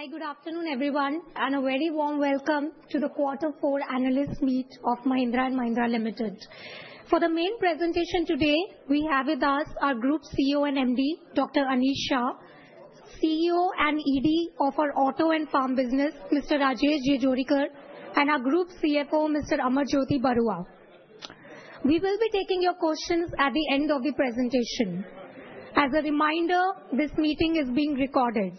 Hi, good afternoon, everyone, and a very warm welcome to the Quarter Four Analysts Meet of Mahindra & Mahindra Limited. For the main presentation today, we have with us our Group CEO & MD, Dr. Anish Shah, CEO & ED of our Auto & Farm business, Mr. Rajesh Jejurikar, and our Group CFO, Mr. Amarjyoti Barua. We will be taking your questions at the end of the presentation. As a reminder, this meeting is being recorded.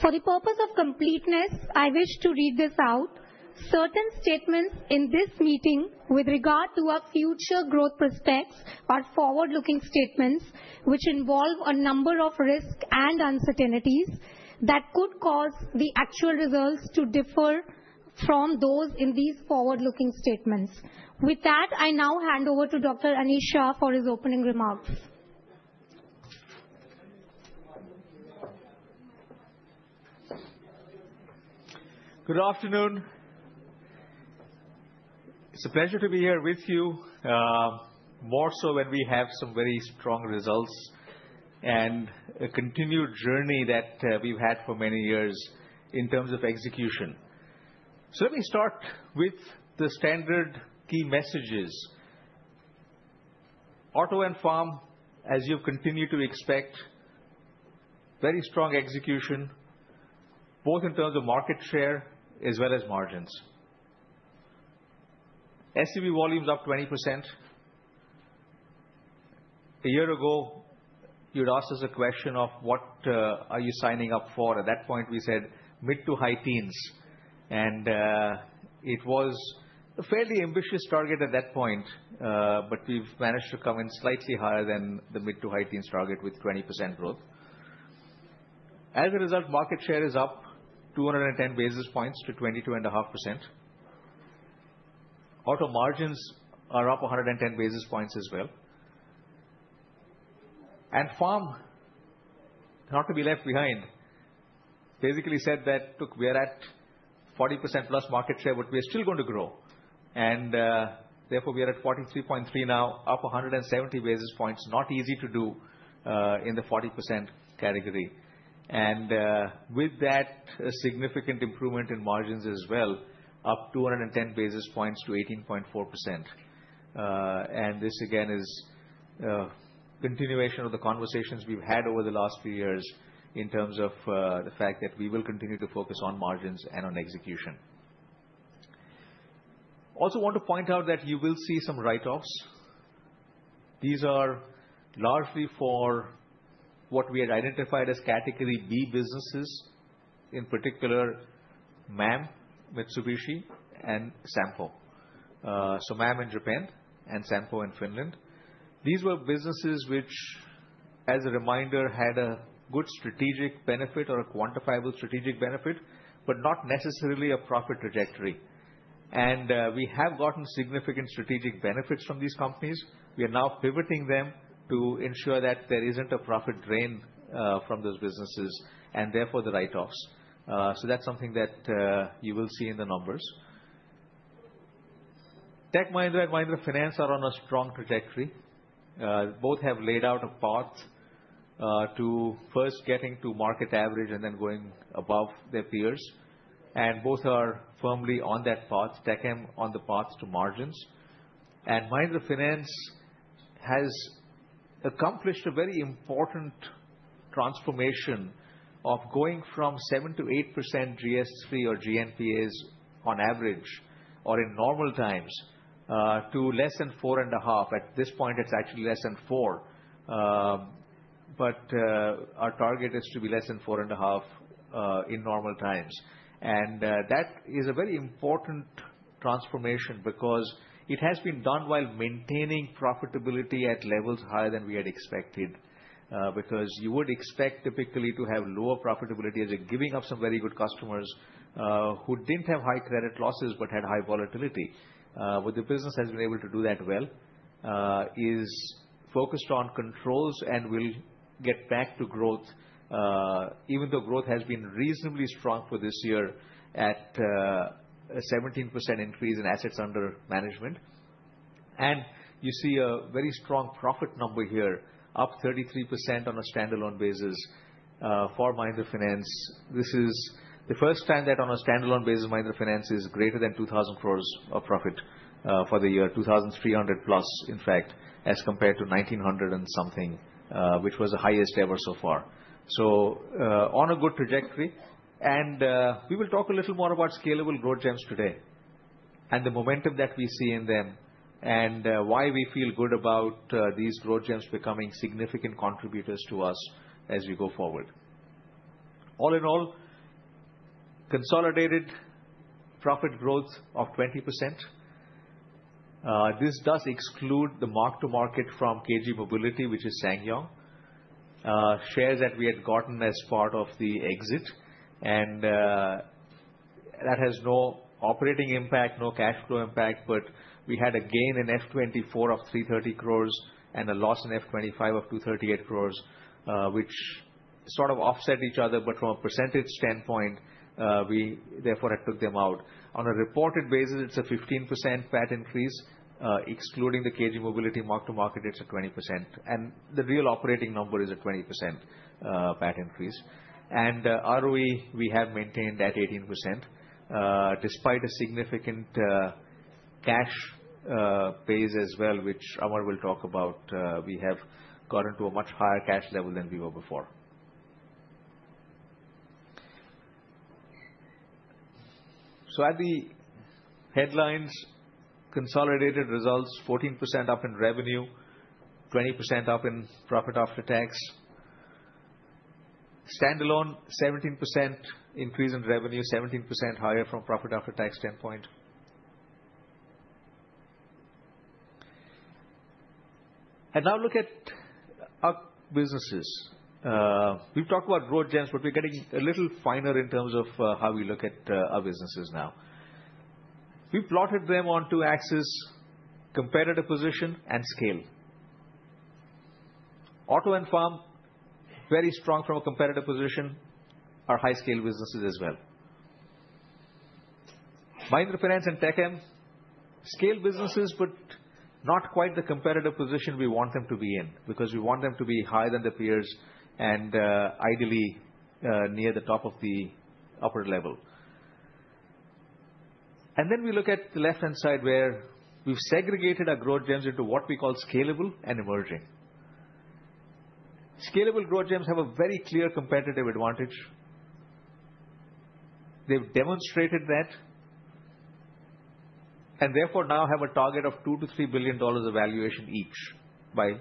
For the purpose of completeness, I wish to read this out: "Certain statements in this meeting with regard to our future growth prospects are forward-looking statements which involve a number of risks and uncertainties that could cause the actual results to differ from those in these forward-looking statements." With that, I now hand over to Dr. Anish Shah for his opening remarks. Good afternoon. It's a pleasure to be here with you, more so when we have some very strong results and a continued journey that we've had for many years in terms of execution. Let me start with the standard key messages. Auto and Farm, as you've continued to expect, very strong execution, both in terms of market share as well as margins. SUV volumes up 20%. A year ago, you'd asked us a question of, "What are you signing up for?" At that point, we said, "Mid to high teens," and it was a fairly ambitious target at that point, but we've managed to come in slightly higher than the mid to high teens target with 20% growth. As a result, market share is up 210 basis points to 22.5%. Auto margins are up 110 basis points as well. Farm, not to be left behind, basically said that we're at 40%+ market share, but we're still going to grow. Therefore, we're at 43.3% now, up 170 basis points. Not easy to do in the 40% category. With that, a significant improvement in margins as well, up 210 basis points to 18.4%. This, again, is a continuation of the conversations we've had over the last few years in terms of the fact that we will continue to focus on margins and on execution. Also want to point out that you will see some write-offs. These are largely for what we had identified as Category B businesses, in particular, MAM, Mitsubishi, and Sampo. MAM in Japan and Sampo in Finland. These were businesses which, as a reminder, had a good strategic benefit or a quantifiable strategic benefit, but not necessarily a profit trajectory. We have gotten significant strategic benefits from these companies. We are now pivoting them to ensure that there is not a profit drain from those businesses and therefore the write-offs. That is something that you will see in the numbers. Tech Mahindra and Mahindra Finance are on a strong trajectory. Both have laid out a path to first getting to market average and then going above their peers. Both are firmly on that path. TechM on the path to margins. Mahindra Finance has accomplished a very important transformation of going from 7%-8% GS3 or GNPAs on average or in normal times to less than 4.5%. At this point, it is actually less than 4%. Our target is to be less than 4.5% in normal times. That is a very important transformation because it has been done while maintaining profitability at levels higher than we had expected. You would expect typically to have lower profitability as you're giving up some very good customers who didn't have high credit losses but had high volatility. The business has been able to do that well, is focused on controls and will get back to growth, even though growth has been reasonably strong for this year at a 17% increase in assets under management. You see a very strong profit number here, up 33% on a standalone basis for Mahindra Finance. This is the first time that on a standalone basis, Mahindra Finance is greater than 2,000 crore of profit for the year, 2,300+, in fact, as compared to 1,900 and something, which was the highest ever so far. On a good trajectory. We will talk a little more about scalable growth gems today and the momentum that we see in them and why we feel good about these growth gems becoming significant contributors to us as we go forward. All in all, consolidated profit growth of 20%. This does exclude the mark-to-market from KG Mobility, which is SsangYong, shares that we had gotten as part of the exit. That has no operating impact, no cash flow impact, but we had a gain in fiscal 2024 of 330 crore and a loss in fiscal 2025 of 238 crore, which sort of offset each other, but from a percentage standpoint, we therefore took them out. On a reported basis, it is a 15% PAT increase. Excluding the KG Mobility mark-to-market, it is a 20%. The real operating number is a 20% PAT increase. ROE we have maintained at 18% despite a significant cash pace as well, which Amar will talk about. We have gotten to a much higher cash level than we were before. At the headlines, consolidated results, 14% up in revenue, 20% up in profit after tax. Standalone, 17% increase in revenue, 17% higher from profit after tax standpoint. Now look at our businesses. We've talked about growth gems, but we're getting a little finer in terms of how we look at our businesses now. We've plotted them on two axes: competitor position and scale. Auto and Farm, very strong from a competitor position, are high-scale businesses as well. Mahindra Finance and TechM, scale businesses, but not quite the competitor position we want them to be in because we want them to be higher than their peers and ideally near the top of the upper level. We look at the left-hand side where we've segregated our growth gems into what we call scalable and emerging. Scalable growth gems have a very clear competitive advantage. They've demonstrated that and therefore now have a target of $2 billion-$3 billion of valuation each by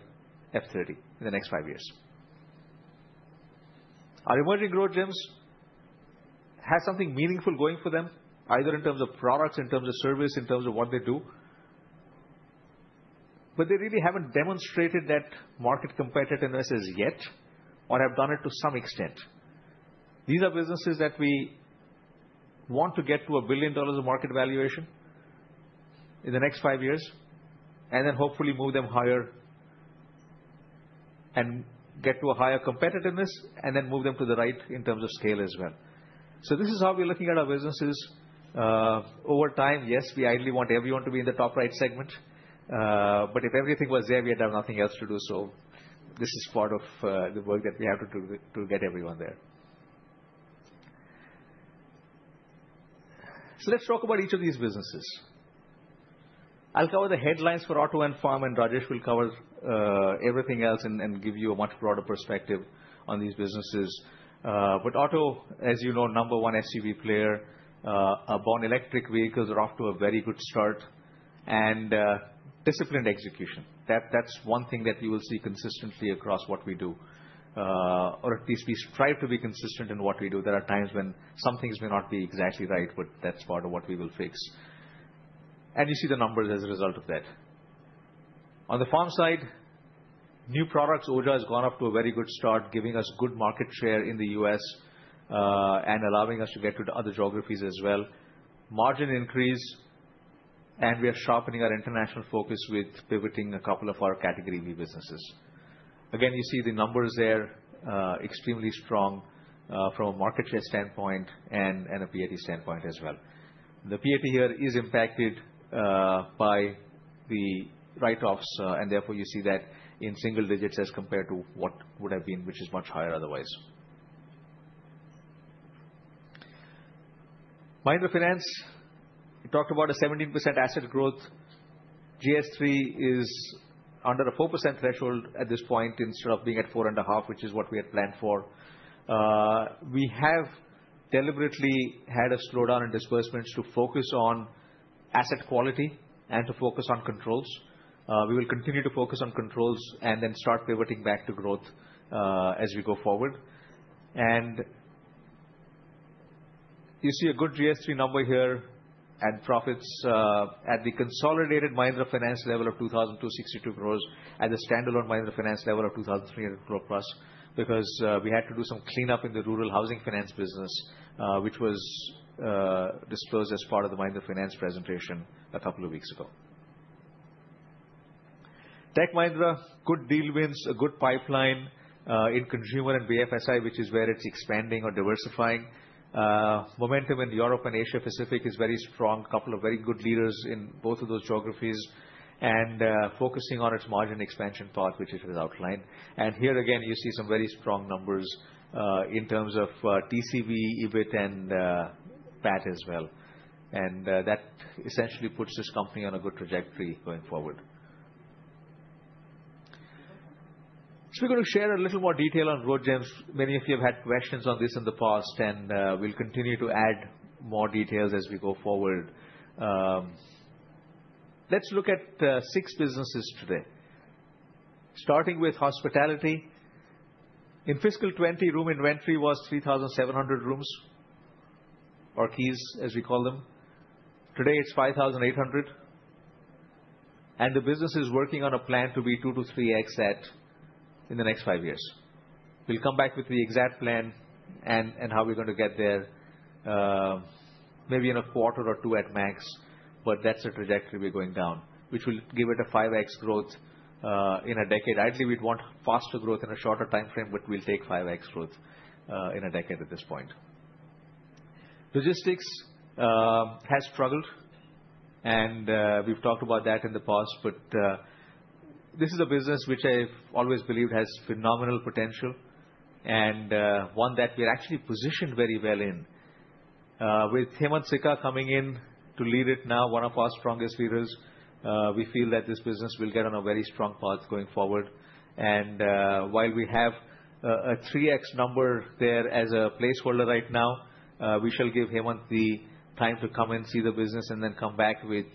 F2030 in the next five years. Our emerging growth gems have something meaningful going for them, either in terms of products, in terms of service, in terms of what they do. They really haven't demonstrated that market competitiveness as yet or have done it to some extent. These are businesses that we want to get to $1 billion of market valuation in the next five years and then hopefully move them higher and get to a higher competitiveness and then move them to the right in terms of scale as well. This is how we're looking at our businesses. Over time, yes, we ideally want everyone to be in the top right segment. If everything was there, we'd have nothing else to do. This is part of the work that we have to do to get everyone there. Let's talk about each of these businesses. I'll cover the headlines for Auto and Farm, and Rajesh will cover everything else and give you a much broader perspective on these businesses. Auto, as you know, number one SUV player. Our borne electric vehicles are off to a very good start. Disciplined execution. That's one thing that you will see consistently across what we do. At least we strive to be consistent in what we do. There are times when some things may not be exactly right, but that's part of what we will fix. You see the numbers as a result of that. On the farm side, new products, OJA has gone off to a very good start, giving us good market share in the U.S. and allowing us to get to other geographies as well. Margin increase, and we are sharpening our international focus with pivoting a couple of our Category B businesses. Again, you see the numbers there, extremely strong from a market share standpoint and a PAT standpoint as well. The PAT here is impacted by the write-offs, and therefore you see that in single digits as compared to what would have been, which is much higher otherwise. Mahindra Finance, we talked about a 17% asset growth. GS3 is under a 4% threshold at this point instead of being at 4.5%, which is what we had planned for. We have deliberately had a slowdown in disbursements to focus on asset quality and to focus on controls. We will continue to focus on controls and then start pivoting back to growth as we go forward. You see a good GS3 number here and profits at the consolidated Mahindra Finance level of 2,262 crore and the standalone Mahindra Finance level of 2,300 crore plus because we had to do some cleanup in the rural housing finance business, which was disclosed as part of the Mahindra Finance presentation a couple of weeks ago. Tech Mahindra, good deal wins, a good pipeline in consumer and BFSI, which is where it's expanding or diversifying. Momentum in Europe and Asia Pacific is very strong. A couple of very good leaders in both of those geographies and focusing on its margin expansion path, which it has outlined. Here again, you see some very strong numbers in terms of TCB, EBIT, and PAT as well. That essentially puts this company on a good trajectory going forward. We're going to share a little more detail on growth gems. Many of you have had questions on this in the past, and we'll continue to add more details as we go forward. Let's look at six businesses today, starting with hospitality. In fiscal 2020, room inventory was 3,700 rooms or keys, as we call them. Today, it's 5,800. The business is working on a plan to be 2x-3x in the next five years. We'll come back with the exact plan and how we're going to get there, maybe in a quarter or two at max, but that's a trajectory we're going down, which will give it a 5x growth in a decade. Ideally, we'd want faster growth in a shorter time frame, but we'll take 5x growth in a decade at this point. Logistics has struggled, and we've talked about that in the past, but this is a business which I've always believed has phenomenal potential and one that we're actually positioned very well in. With Hemant Sikka coming in to lead it now, one of our strongest leaders, we feel that this business will get on a very strong path going forward. While we have a 3x number there as a placeholder right now, we shall give Hemant the time to come and see the business and then come back with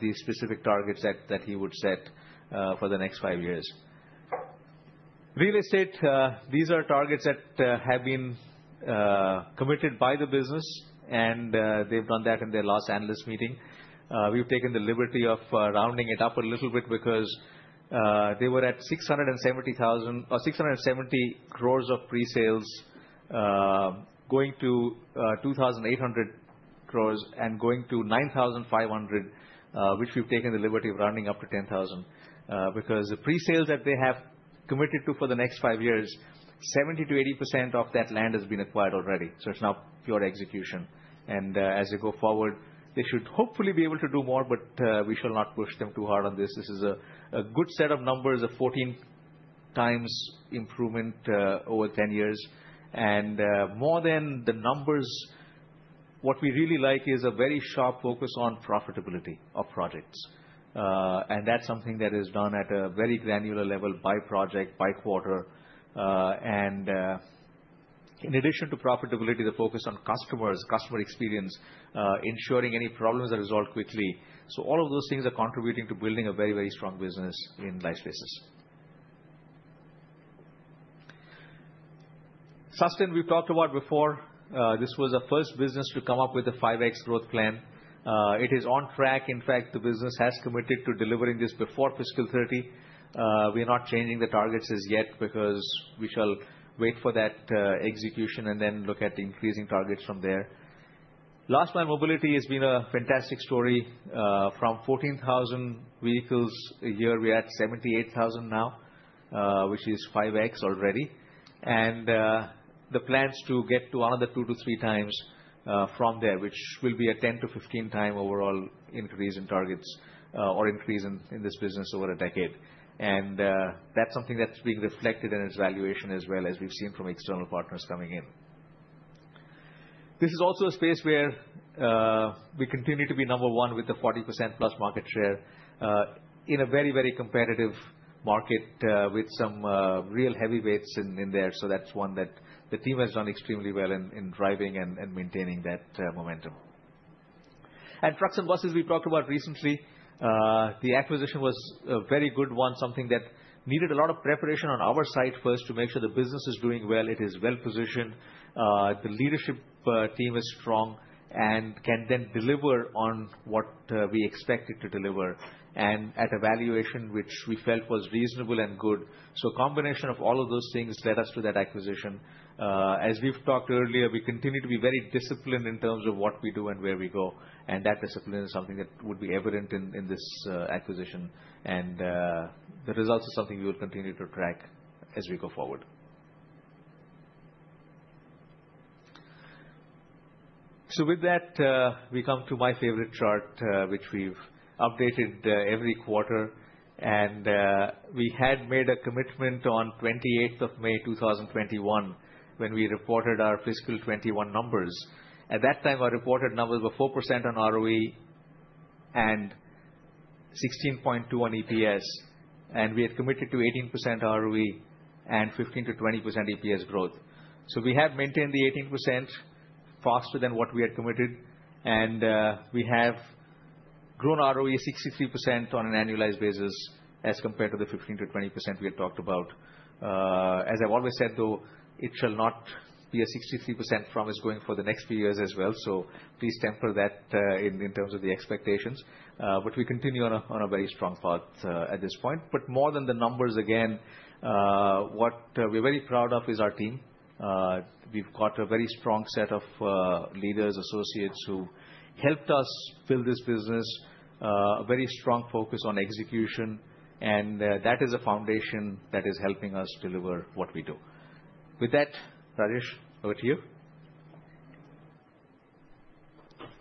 the specific targets that he would set for the next five years. Real estate, these are targets that have been committed by the business, and they've done that in their last analyst meeting. We've taken the liberty of rounding it up a little bit because they were at 670 crore of pre-sales going to 2,800 crore and going to 9,500 crore, which we've taken the liberty of rounding up to 10,000 crore because the pre-sales that they have committed to for the next five years, 70%-80% of that land has been acquired already. It is now pure execution. As we go forward, they should hopefully be able to do more, but we shall not push them too hard on this. This is a good set of numbers, a 14x improvement over 10 years. More than the numbers, what we really like is a very sharp focus on profitability of projects. That is something that is done at a very granular level by project, by quarter. In addition to profitability, the focus on customers, customer experience, ensuring any problems are resolved quickly. All of those things are contributing to building a very, very strong business in Lifespaces. Susten, we've talked about before. This was the first business to come up with a 5x growth plan. It is on track. In fact, the business has committed to delivering this before fiscal 2030. We are not changing the targets as yet because we shall wait for that execution and then look at increasing targets from there. Last mile mobility has been a fantastic story. From 14,000 vehicles a year, we're at 78,000 now, which is 5x already. The plans to get to another 2x-3x from there, which will be a 10-15 time overall increase in targets or increase in this business over a decade. That is something that is being reflected in its valuation as well, as we have seen from external partners coming in. This is also a space where we continue to be number one with the 40%+ market share in a very, very competitive market with some real heavyweights in there. That is one that the team has done extremely well in driving and maintaining that momentum. Trucks and buses, we have talked about recently. The acquisition was a very good one, something that needed a lot of preparation on our side first to make sure the business is doing well. It is well positioned. The leadership team is strong and can then deliver on what we expected to deliver and at a valuation which we felt was reasonable and good. A combination of all of those things led us to that acquisition. As we've talked earlier, we continue to be very disciplined in terms of what we do and where we go. That discipline is something that would be evident in this acquisition. The results are something we will continue to track as we go forward. With that, we come to my favorite chart, which we've updated every quarter. We had made a commitment on 28th of May, 2021, when we reported our fiscal 2021 numbers. At that time, our reported numbers were 4% on ROE and 16.2 on EPS. We had committed to 18% ROE and 15%-20% EPS growth. We have maintained the 18% faster than what we had committed. We have grown ROE 63% on an annualized basis as compared to the 15%-20% we had talked about. As I've always said, though, it shall not be a 63% from us going for the next few years as well. Please temper that in terms of the expectations. We continue on a very strong path at this point. More than the numbers, again, what we're very proud of is our team. We've got a very strong set of leaders, associates who helped us build this business, a very strong focus on execution. That is a foundation that is helping us deliver what we do. With that, Rajesh, over to you.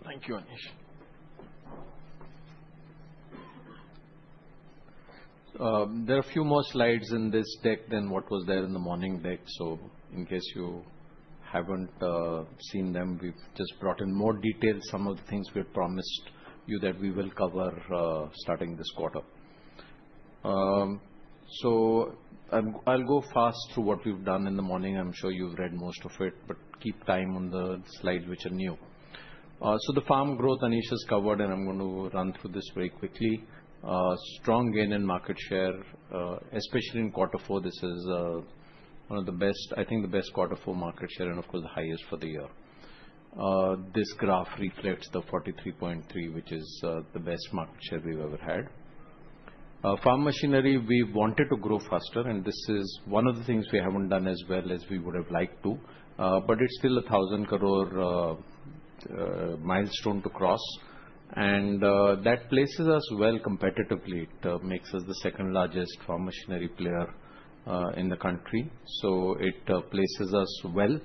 Thank you, Anish. There are a few more slides in this deck than what was there in the morning deck. In case you haven't seen them, we've just brought in more detail, some of the things we had promised you that we will cover starting this quarter. I'll go fast through what we've done in the morning. I'm sure you've read most of it, but keep time on the slides which are new. The farm growth, Anish has covered, and I'm going to run through this very quickly. Strong gain in market share, especially in quarter four. This is one of the best, I think the best quarter four market share and, of course, the highest for the year. This graph reflects the 43.3%, which is the best market share we've ever had. Farm machinery, we wanted to grow faster, and this is one of the things we haven't done as well as we would have liked to. It's still an 1,000 crore milestone to cross. That places us well competitively. It makes us the second largest farm machinery player in the country. It places us well.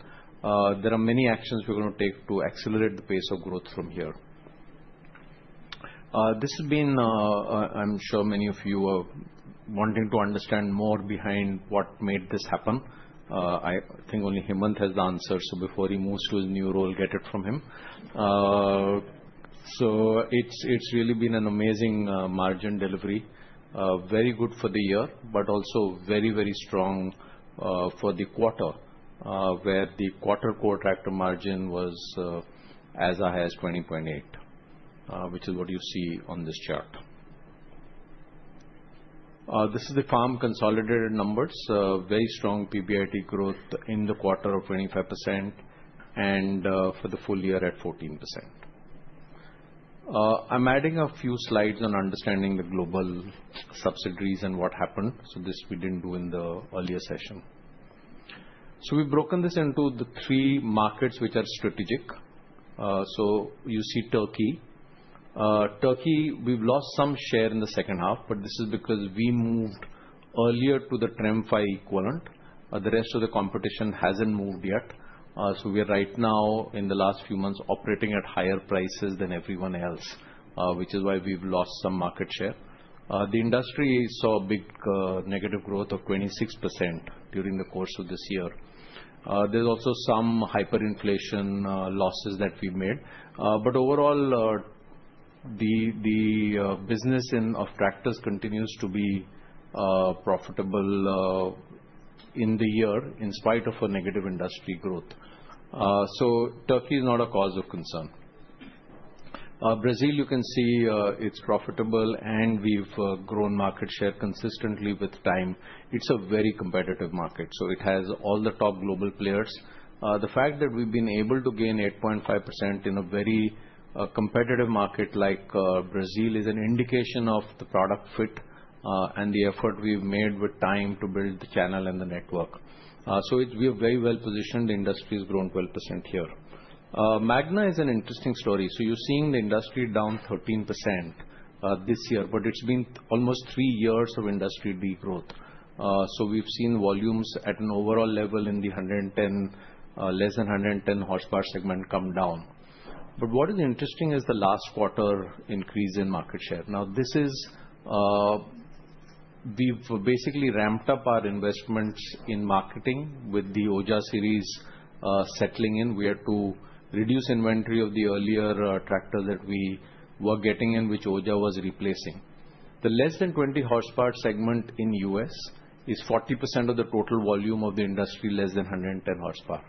There are many actions we're going to take to accelerate the pace of growth from here. This has been, I'm sure many of you are wanting to understand more behind what made this happen. I think only Hemant has the answer. Before he moves to his new role, get it from him. It's really been an amazing margin delivery, very good for the year, but also very, very strong for the quarter, where the quarter quarter tractor margin was as high as 20.8%, which is what you see on this chart. This is the farm consolidated numbers. Very strong PBIT growth in the quarter of 25% and for the full year at 14%. I'm adding a few slides on understanding the global subsidiaries and what happened. This we didn't do in the earlier session. We've broken this into the three markets which are strategic. You see Turkey. Turkey, we've lost some share in the second half, but this is because we moved earlier to the TREM V equivalent. The rest of the competition hasn't moved yet. We are right now, in the last few months, operating at higher prices than everyone else, which is why we've lost some market share. The industry saw a big negative growth of 26% during the course of this year. There are also some hyperinflation losses that we made. Overall, the business of tractors continues to be profitable in the year in spite of a negative industry growth. Turkey is not a cause of concern. Brazil, you can see it's profitable, and we've grown market share consistently with time. It's a very competitive market. It has all the top global players. The fact that we've been able to gain 8.5% in a very competitive market like Brazil is an indication of the product fit and the effort we've made with time to build the channel and the network. We are very well positioned. The industry has grown 12% here. MAgNA is an interesting story. You're seeing the industry down 13% this year, but it's been almost three years of industry degrowth. We've seen volumes at an overall level in the less than 110 horsepower segment come down. What is interesting is the last quarter increase in market share. We've basically ramped up our investments in marketing with the OJA series settling in. We are to reduce inventory of the earlier tractor that we were getting in, which OJA was replacing. The less than 20 horsepower segment in the U.S. is 40% of the total volume of the industry, less than 110 horsepower.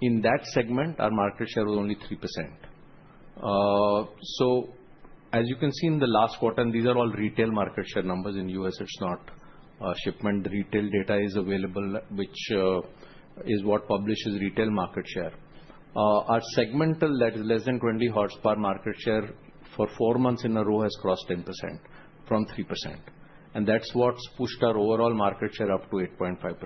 In that segment, our market share was only 3%. As you can see in the last quarter, and these are all retail market share numbers in the U.S., it is not shipment. Retail data is available, which is what publishes retail market share. Our segmental, that is less than 20 horsepower market share for four months in a row, has crossed 10% from 3%. That is what has pushed our overall market share up to 8.5%.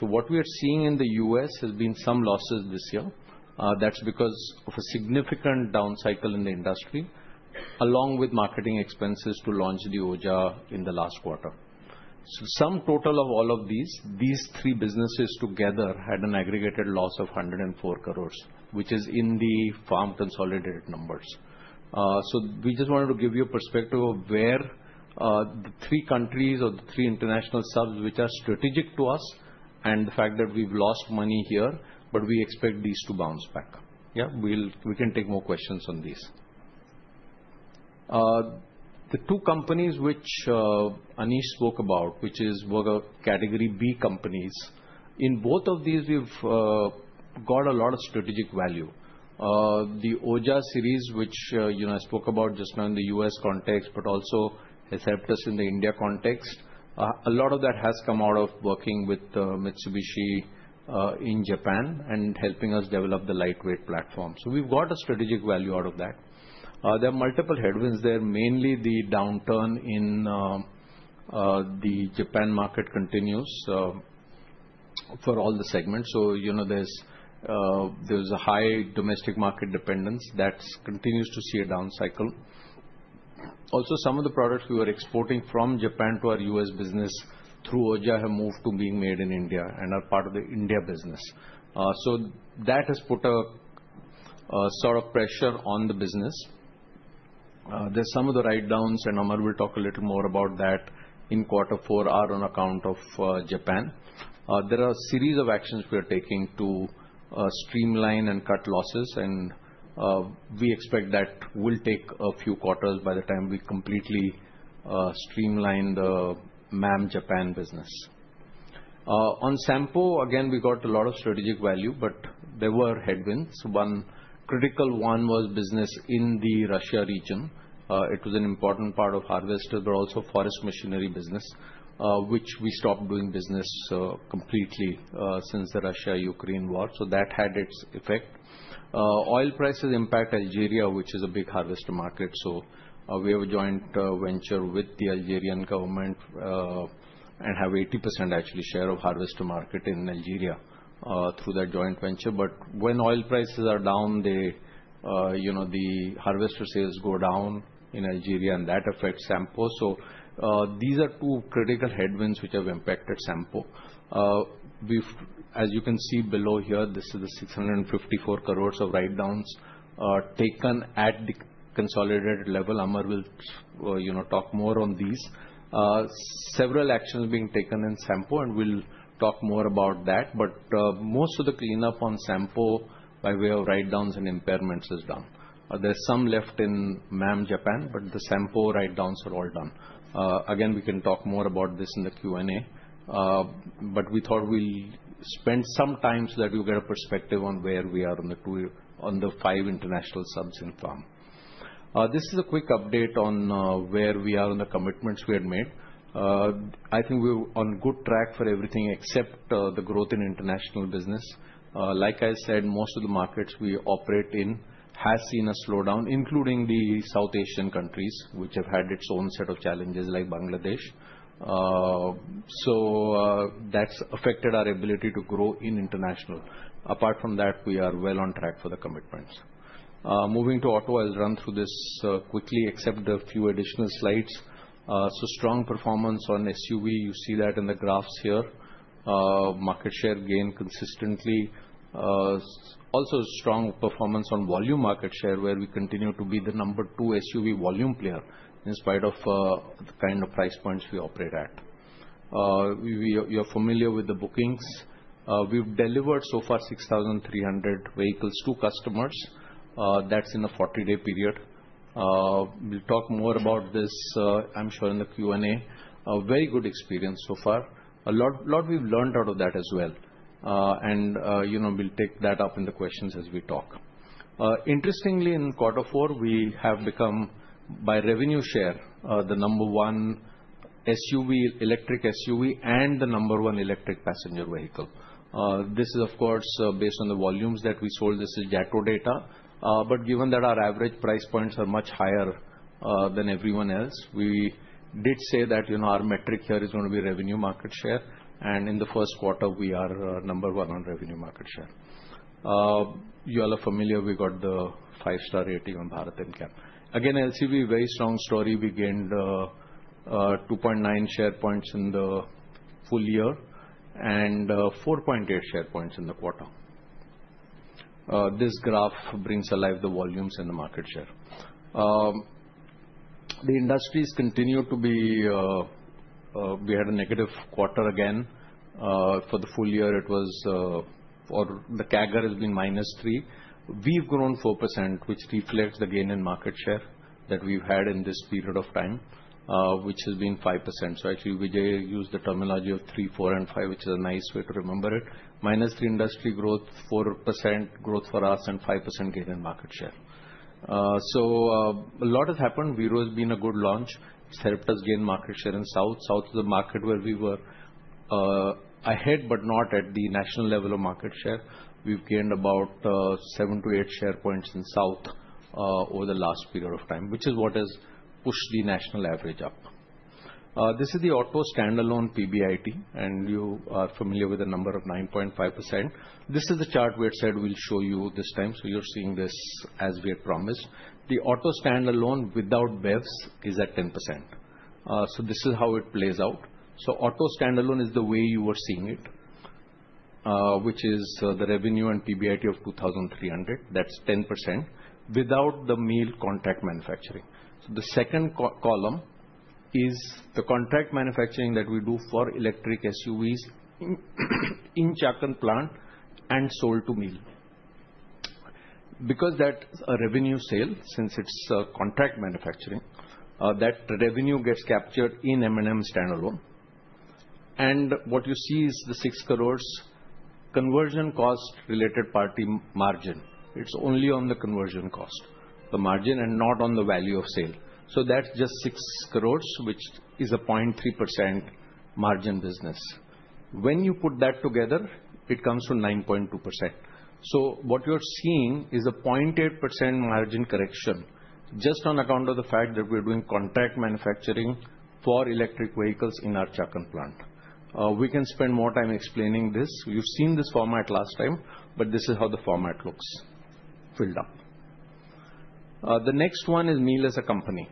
What we are seeing in the U.S. has been some losses this year. That is because of a significant down cycle in the industry, along with marketing expenses to launch the OJA in the last quarter. Some total of all of these, these three businesses together had an aggregated loss of 104 crores, which is in the farm consolidated numbers. We just wanted to give you a perspective of where the three countries or the three international subs which are strategic to us and the fact that we've lost money here, but we expect these to bounce back. Yeah, we can take more questions on these. The two companies which Anish spoke about, which are Category B companies, in both of these, we've got a lot of strategic value. The OJA series, which I spoke about just now in the U.S. context, but also has helped us in the India context. A lot of that has come out of working with Mitsubishi in Japan and helping us develop the lightweight platform. We've got a strategic value out of that. There are multiple headwinds there. Mainly, the downturn in the Japan market continues for all the segments. There is a high domestic market dependence that continues to see a down cycle. Also, some of the products we were exporting from Japan to our U.S. business through OJA have moved to being made in India and are part of the India business. That has put a sort of pressure on the business. Some of the write-downs, and Amar will talk a little more about that in quarter four, are on account of Japan. There are a series of actions we are taking to streamline and cut losses. We expect that will take a few quarters by the time we completely streamline the MAM Japan business. On Sampo, again, we got a lot of strategic value, but there were headwinds. One critical one was business in the Russia region. It was an important part of harvesters, but also forest machinery business, which we stopped doing business completely since the Russia-Ukraine war. That had its effect. Oil prices impact Algeria, which is a big harvester market. We have a joint venture with the Algerian government and have 80% actually share of harvester market in Algeria through that joint venture. When oil prices are down, the harvester sales go down in Algeria, and that affects Sampo. These are two critical headwinds which have impacted Sampo. As you can see below here, this is the 654 crores of write-downs taken at the consolidated level. Amar will talk more on these. Several actions being taken in Sampo, and we'll talk more about that. Most of the cleanup on Sampo by way of write-downs and impairments is done. There's some left in MAM Japan, but the Sampo write-downs are all done. Again, we can talk more about this in the Q&A. We thought we'll spend some time so that you get a perspective on where we are on the five international subs in the farm. This is a quick update on where we are on the commitments we had made. I think we're on good track for everything except the growth in international business. Like I said, most of the markets we operate in have seen a slowdown, including the South Asian countries, which have had its own set of challenges like Bangladesh. That's affected our ability to grow in international. Apart from that, we are well on track for the commitments. Moving to auto, I'll run through this quickly, except a few additional slides. Strong performance on SUV. You see that in the graphs here. Market share gained consistently. Also strong performance on volume market share, where we continue to be the number two SUV volume player in spite of the kind of price points we operate at. You're familiar with the bookings. We've delivered so far 6,300 vehicles to customers. That's in a 40-day period. We will talk more about this, I'm sure, in the Q&A. Very good experience so far. A lot we've learned out of that as well. We will take that up in the questions as we talk. Interestingly, in quarter four, we have become, by revenue share, the number one electric SUV and the number one electric passenger vehicle. This is, of course, based on the volumes that we sold. This is JATO data. Given that our average price points are much higher than everyone else, we did say that our metric here is going to be revenue market share. In the first quarter, we are number one on revenue market share. You all are familiar. We got the five-star rating on Bharat-NCAP. Again, LCV, very strong story. We gained 2.9 share points in the full year and 4.8 share points in the quarter. This graph brings alive the volumes and the market share. The industries continue to be we had a negative quarter again. For the full year, it was or the CAGR has been -3. We've grown 4%, which reflects the gain in market share that we've had in this period of time, which has been 5%. Actually, we use the terminology of three, four, and five, which is a nice way to remember it. Minus three industry growth, 4% growth for us, and 5% gain in market share. A lot has happened. Veero has been a good launch. It's helped us gain market share in south. South is a market where we were ahead, but not at the national level of market share. We've gained about seven to eight share points in south over the last period of time, which is what has pushed the national average up. This is the auto standalone PBIT, and you are familiar with the number of 9.5%. This is the chart we had said we'll show you this time. You're seeing this as we had promised. The auto standalone without BEVs is at 10%. This is how it plays out. Auto standalone is the way you were seeing it, which is the revenue and PBIT of 2,300. That's 10% without the MEAL contract manufacturing. The second column is the contract manufacturing that we do for electric SUVs in Chakan plant and sold to MEAL. Because that's a revenue sale, since it's contract manufacturing, that revenue gets captured in M&M standalone. What you see is the 6 crores conversion cost related party margin. It's only on the conversion cost, the margin, and not on the value of sale. That's just 6 crores, which is a 0.3% margin business. When you put that together, it comes to 9.2%. What you're seeing is a 0.8% margin correction just on account of the fact that we're doing contract manufacturing for electric vehicles in our Chakan plant. We can spend more time explaining this. You've seen this format last time, but this is how the format looks filled up. The next one is MEAL as a company.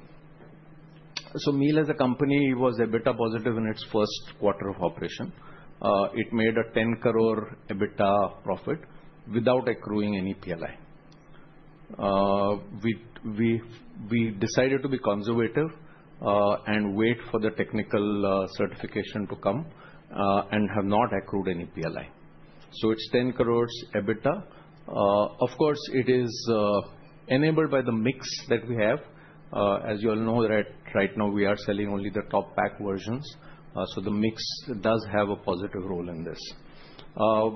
MEAL as a company was EBITDA positive in its first quarter of operation. It made an 10 crore EBITDA profit without accruing any PLI. We decided to be conservative and wait for the technical certification to come and have not accrued any PLI. It is 10 crore EBITDA. Of course, it is enabled by the mix that we have. As you all know, right now, we are selling only the top pack versions. The mix does have a positive role in this.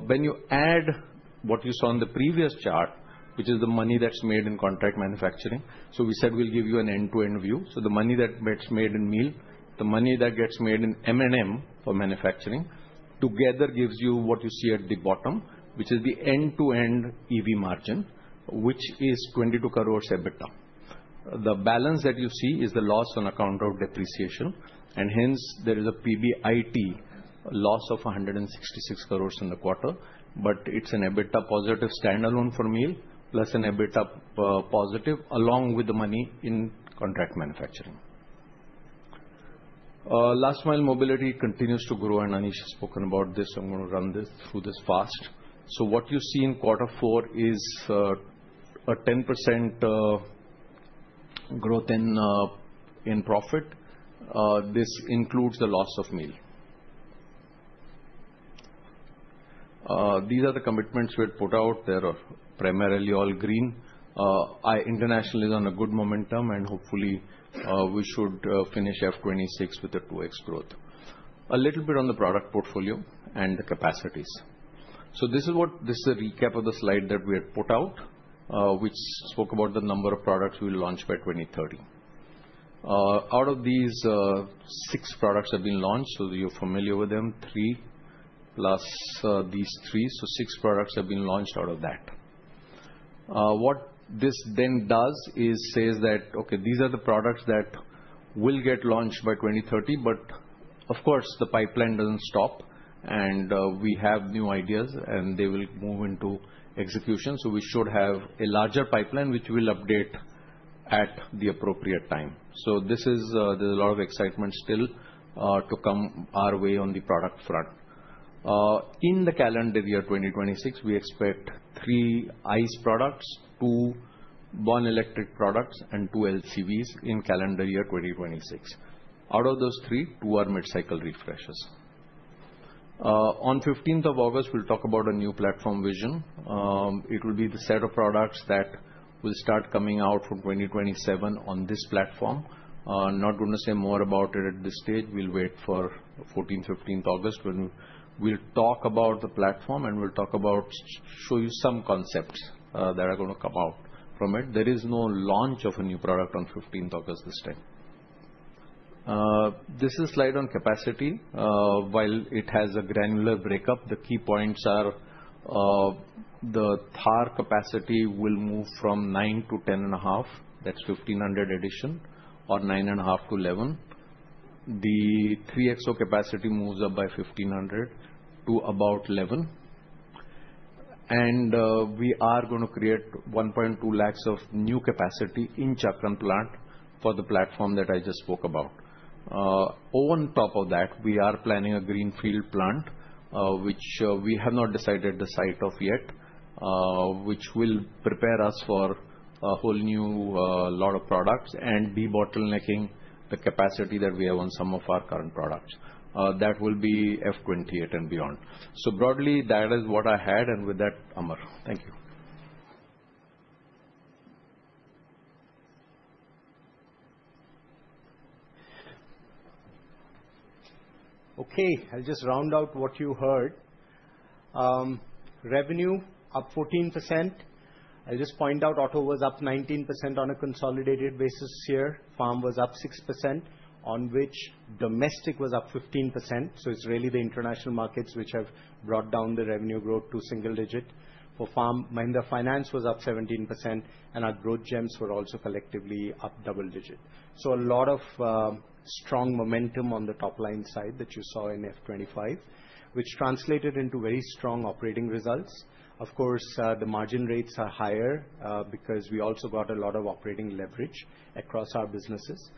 When you add what you saw in the previous chart, which is the money that is made in contract manufacturing, we said we will give you an end-to-end view. The money that gets made in MEAL, the money that gets made in M&M for manufacturing together gives you what you see at the bottom, which is the end-to-end EV margin, which is 22 crore EBITDA. The balance that you see is the loss on account of depreciation. Hence, there is a PBIT loss of 166 crores in the quarter. It is an EBITDA positive standalone for MEAL plus an EBITDA positive along with the money in contract manufacturing. Last mile mobility continues to grow, and Anish has spoken about this. I'm going to run through this fast. What you see in quarter four is a 10% growth in profit. This includes the loss of MEAL. These are the commitments we had put out. They are primarily all green. International is on a good momentum, and hopefully, we should finish F2026 with a 2x growth. A little bit on the product portfolio and the capacities. This is a recap of the slide that we had put out, which spoke about the number of products we will launch by 2030. Out of these, six products have been launched. You are familiar with them, three plus these three. Six products have been launched out of that. What this then does is says that, okay, these are the products that will get launched by 2030. Of course, the pipeline does not stop, and we have new ideas, and they will move into execution. We should have a larger pipeline, which we will update at the appropriate time. There is a lot of excitement still to come our way on the product front. In the calendar year 2026, we expect three ICE products, two born electric products, and two LCVs in calendar year 2026. Out of those three, two are mid-cycle refreshers. On 15th of August, we will talk about a new platform vision. It will be the set of products that will start coming out from 2027 on this platform. Not going to say more about it at this stage. We'll wait for 14th, 15th August when we'll talk about the platform, and we'll show you some concepts that are going to come out from it. There is no launch of a new product on 15th August this time. This is a slide on capacity. While it has a granular breakup, the key points are the Thar capacity will move from 9 to 10.5. That's 1,500 addition or 9.5 to 11. The 3XO capacity moves up by 1,500 to about 11. And we are going to create 120,000 of new capacity in Chakan plant for the platform that I just spoke about. On top of that, we are planning a greenfield plant, which we have not decided the site of yet, which will prepare us for a whole new lot of products and de-bottlenecking the capacity that we have on some of our current products. That will be F2028 and beyond. Broadly, that is what I had. With that, Amar, thank you. Okay. I'll just round out what you heard. Revenue up 14%. I'll just point out auto was up 19% on a consolidated basis here. Farm was up 6%, on which domestic was up 15%. It's really the international markets which have brought down the revenue growth to single digit. For farm, Mahindra Finance was up 17%, and our growth gems were also collectively up double digit. A lot of strong momentum on the top line side that you saw in F2025, which translated into very strong operating results. Of course, the margin rates are higher because we also got a lot of operating leverage across our businesses.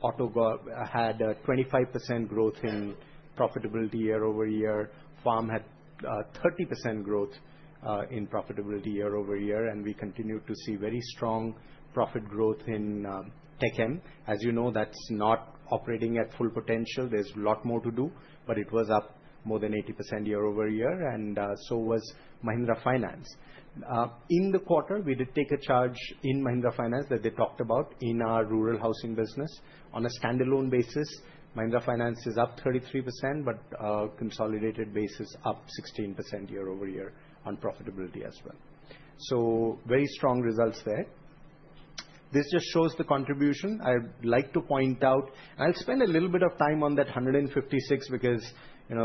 Auto had a 25% growth in profitability year-over-year. Farm had 30% growth in profitability year-over-year. We continued to see very strong profit growth in TechM. As you know, that's not operating at full potential. There's a lot more to do, but it was up more than 80% year-over-year. So was Mahindra Finance. In the quarter, we did take a charge in Mahindra Finance that they talked about in our rural housing business. On a standalone basis, Mahindra Finance is up 33%, but consolidated basis up 16% year-over-year on profitability as well. Very strong results there. This just shows the contribution. I'd like to point out, and I'll spend a little bit of time on that 156 because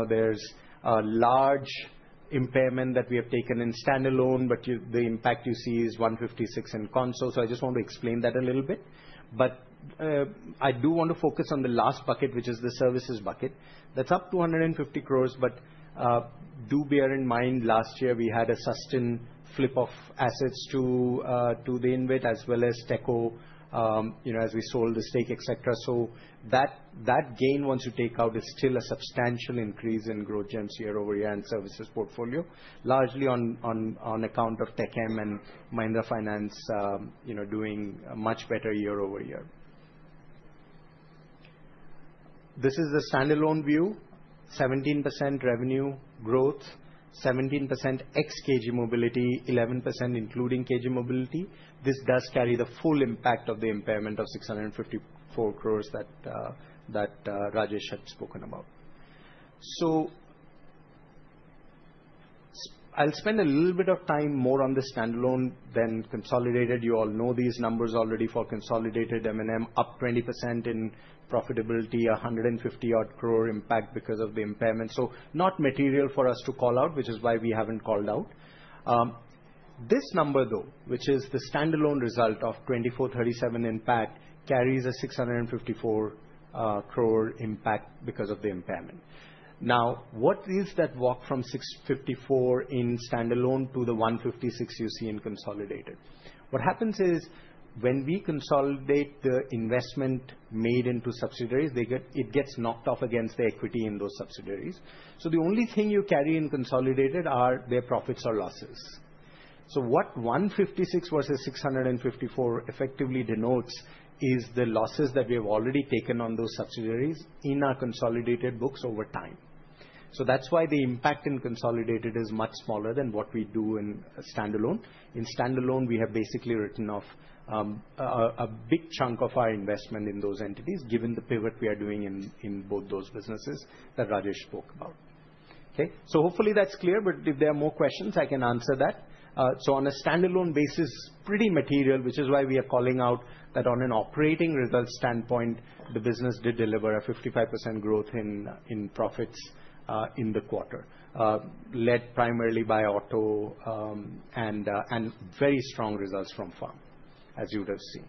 there's a large impairment that we have taken in standalone, but the impact you see is 156 in console. I just want to explain that a little bit. I do want to focus on the last bucket, which is the services bucket. That's up 250 crore, but do bear in mind last year we had a Susten flip of assets to the InvIT as well as Teqo, as we sold the stake, et cetera. That gain, once you take out, is still a substantial increase in growth gems year over year and services portfolio, largely on account of TechM and Mahindra Finance doing much better year over year. This is the standalone view: 17% revenue growth, 17% ex-KG Mobility, 11% including KG Mobility. This does carry the full impact of the impairment of 654 crore that Rajesh had spoken about. I'll spend a little bit of time more on the standalone than consolidated. You all know these numbers already for consolidated M&M: up 20% in profitability, 150-odd crore impact because of the impairment. Not material for us to call out, which is why we haven't called out. This number, though, which is the standalone result of 2,437 crore impact, carries a 654 crore impact because of the impairment. Now, what is that walk from 654 crore in standalone to the 156 crore you see in consolidated? What happens is when we consolidate the investment made into subsidiaries, it gets knocked off against the equity in those subsidiaries. The only thing you carry in consolidated are their profits or losses. What 156 versus 654 effectively denotes is the losses that we have already taken on those subsidiaries in our consolidated books over time. That is why the impact in consolidated is much smaller than what we do in standalone. In standalone, we have basically written off a big chunk of our investment in those entities, given the pivot we are doing in both those businesses that Rajesh spoke about. Okay. Hopefully, that is clear. If there are more questions, I can answer that. On a standalone basis, pretty material, which is why we are calling out that on an operating results standpoint, the business did deliver a 55% growth in profits in the quarter, led primarily by auto and very strong results from farm, as you would have seen.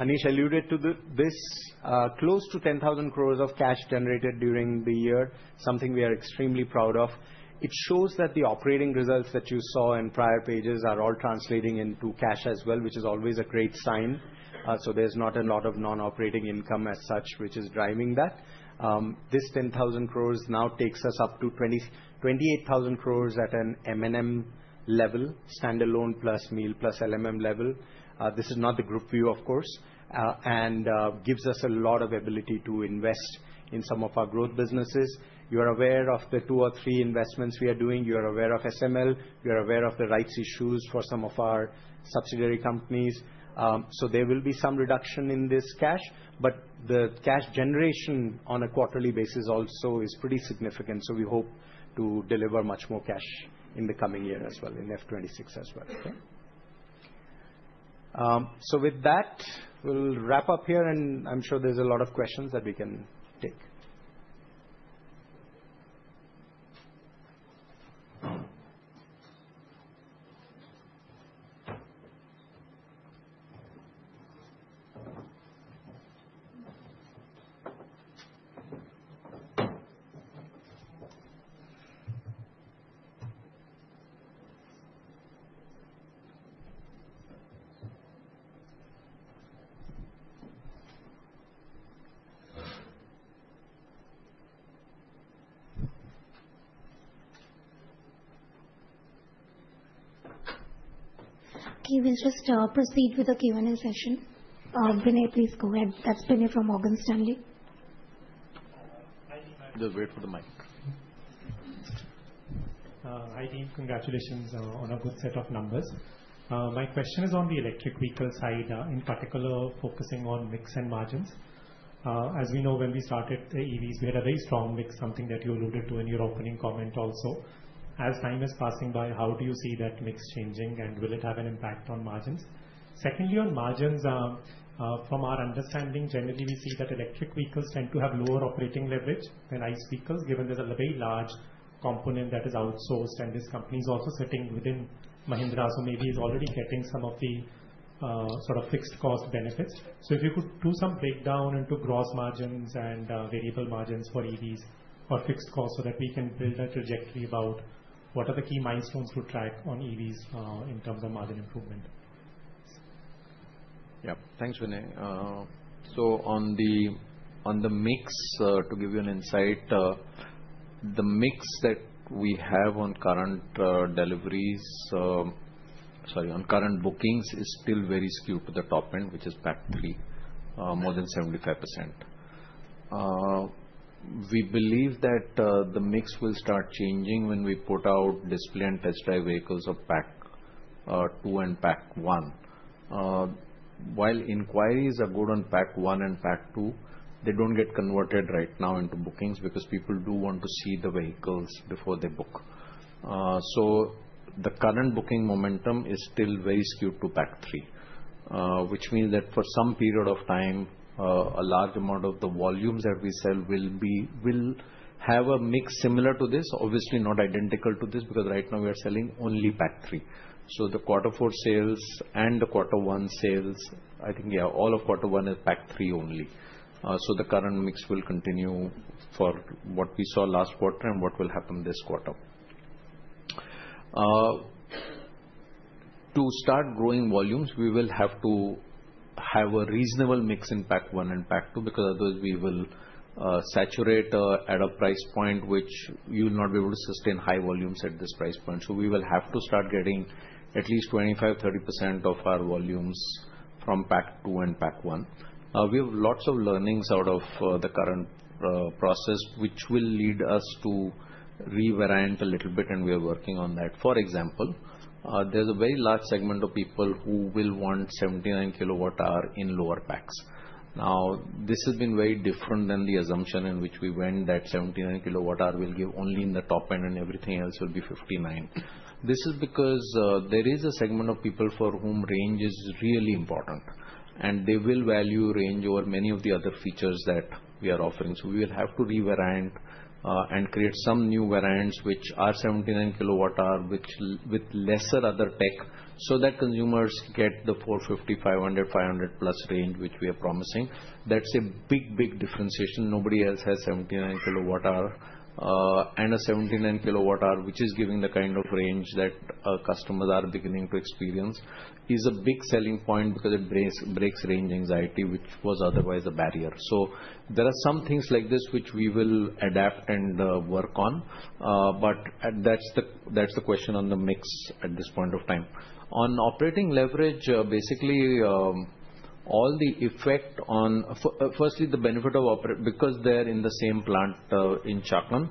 Anish alluded to this: close to 10,000 crore of cash generated during the year, something we are extremely proud of. It shows that the operating results that you saw in prior pages are all translating into cash as well, which is always a great sign. There is not a lot of non-operating income as such, which is driving that. This 10,000 crore now takes us up to 28,000 crore at an M&M level, standalone plus MEAL plus LMM level. This is not the group view, of course, and gives us a lot of ability to invest in some of our growth businesses. You are aware of the two or three investments we are doing. You are aware of SML. You are aware of the rights issues for some of our subsidiary companies. There will be some reduction in this cash, but the cash generation on a quarterly basis also is pretty significant. We hope to deliver much more cash in the coming year as well, in F2026 as well. Okay. With that, we'll wrap up here, and I'm sure there's a lot of questions that we can take. Okay. We'll just proceed with the Q&A session. Vinay, please go ahead. That's Vinay from Morgan Stanley. I'll just wait for the mic. Hi, team. Congratulations on a good set of numbers. My question is on the electric vehicle side, in particular focusing on mix and margins. As we know, when we started the EVs, we had a very strong mix, something that you alluded to in your opening comment also. As time is passing by, how do you see that mix changing, and will it have an impact on margins? Secondly, on margins, from our understanding, generally, we see that electric vehicles tend to have lower operating leverage than ICE vehicles, given there's a very large component that is outsourced. This company is also sitting within Mahindra, so maybe it's already getting some of the sort of fixed cost benefits. If you could do some breakdown into gross margins and variable margins for EVs or fixed costs so that we can build a trajectory about what are the key milestones to track on EVs in terms of margin improvement. Yep. Thanks, Vinay. On the mix, to give you an insight, the mix that we have on current deliveries, sorry, on current bookings is still very skewed to the top end, which is Pack Three, more than 75%. We believe that the mix will start changing when we put out display and test drive vehicles of Pack Two and Pack One. While inquiries are good on Pack One and Pack Two, they do not get converted right now into bookings because people do want to see the vehicles before they book. The current booking momentum is still very skewed to Pack Three, which means that for some period of time, a large amount of the volumes that we sell will have a mix similar to this, obviously not identical to this, because right now we are selling only Pack Three. The quarter four sales and the quarter one sales, I think, yeah, all of quarter one is Pack Three only. The current mix will continue for what we saw last quarter and what will happen this quarter. To start growing volumes, we will have to have a reasonable mix in Pack One and Pack Two because otherwise we will saturate at a price point which you will not be able to sustain high volumes at this price point. We will have to start getting at least 25%-30% of our volumes from Pack Two and Pack One. We have lots of learnings out of the current process, which will lead us to reorient a little bit, and we are working on that. For example, there is a very large segment of people who will want 79 kWh in lower packs. Now, this has been very different than the assumption in which we went that 79 kWh will give only in the top end and everything else will be 59. This is because there is a segment of people for whom range is really important, and they will value range over many of the other features that we are offering. We will have to reorient and create some new variants which are 79 kWh with lesser other tech so that consumers get the 450, 500, 500+ range which we are promising. That's a big, big differentiation. Nobody else has 79 kWh. A 79 kWh, which is giving the kind of range that customers are beginning to experience, is a big selling point because it breaks range anxiety, which was otherwise a barrier. There are some things like this which we will adapt and work on, but that's the question on the mix at this point of time. On operating leverage, basically all the effect on, firstly, the benefit of because they're in the same plant in Chakan,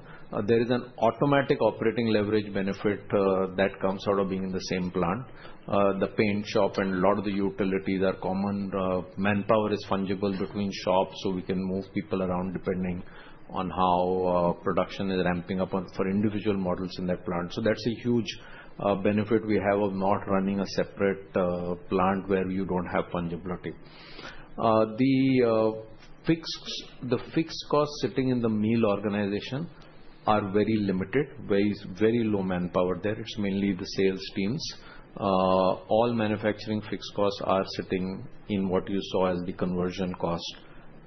there is an automatic operating leverage benefit that comes out of being in the same plant. The paint shop and a lot of the utilities are common. Manpower is fungible between shops, so we can move people around depending on how production is ramping up for individual models in that plant. That's a huge benefit we have of not running a separate plant where you don't have fungibility. The fixed costs sitting in the MEAL organization are very limited, very low manpower there. It's mainly the sales teams. All manufacturing fixed costs are sitting in what you saw as the conversion cost.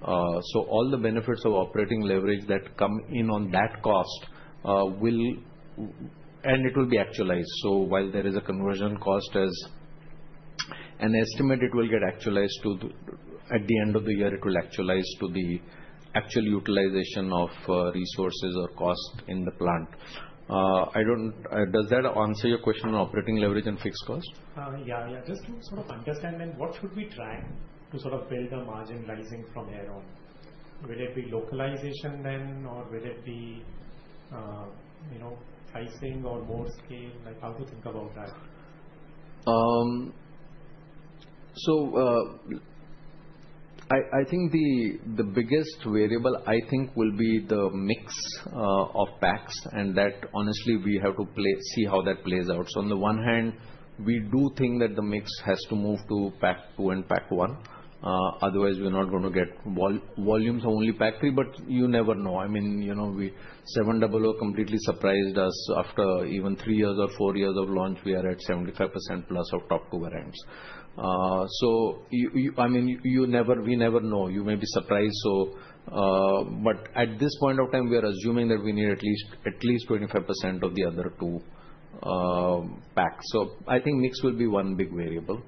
All the benefits of operating leverage that come in on that cost will, and it will be actualized. While there is a conversion cost as an estimate, it will get actualized at the end of the year. It will actualize to the actual utilization of resources or cost in the plant. Does that answer your question on operating leverage and fixed cost? Yeah. Yeah. Just to sort of understand, what should we try to sort of build a margin rising from here on? Will it be localization then, or will it be pricing or more scale? How to think about that? I think the biggest variable, I think, will be the mix of packs, and that honestly, we have to see how that plays out. On the one hand, we do think that the mix has to move to Pack Two and Pack One. Otherwise, we're not going to get volumes only Pack Three, but you never know. I mean, 700 completely surprised us. After even three years or four years of launch, we are at 75%+ of top two variants. I mean, we never know. You may be surprised. At this point of time, we are assuming that we need at least 25% of the other two packs. I think mix will be one big variable.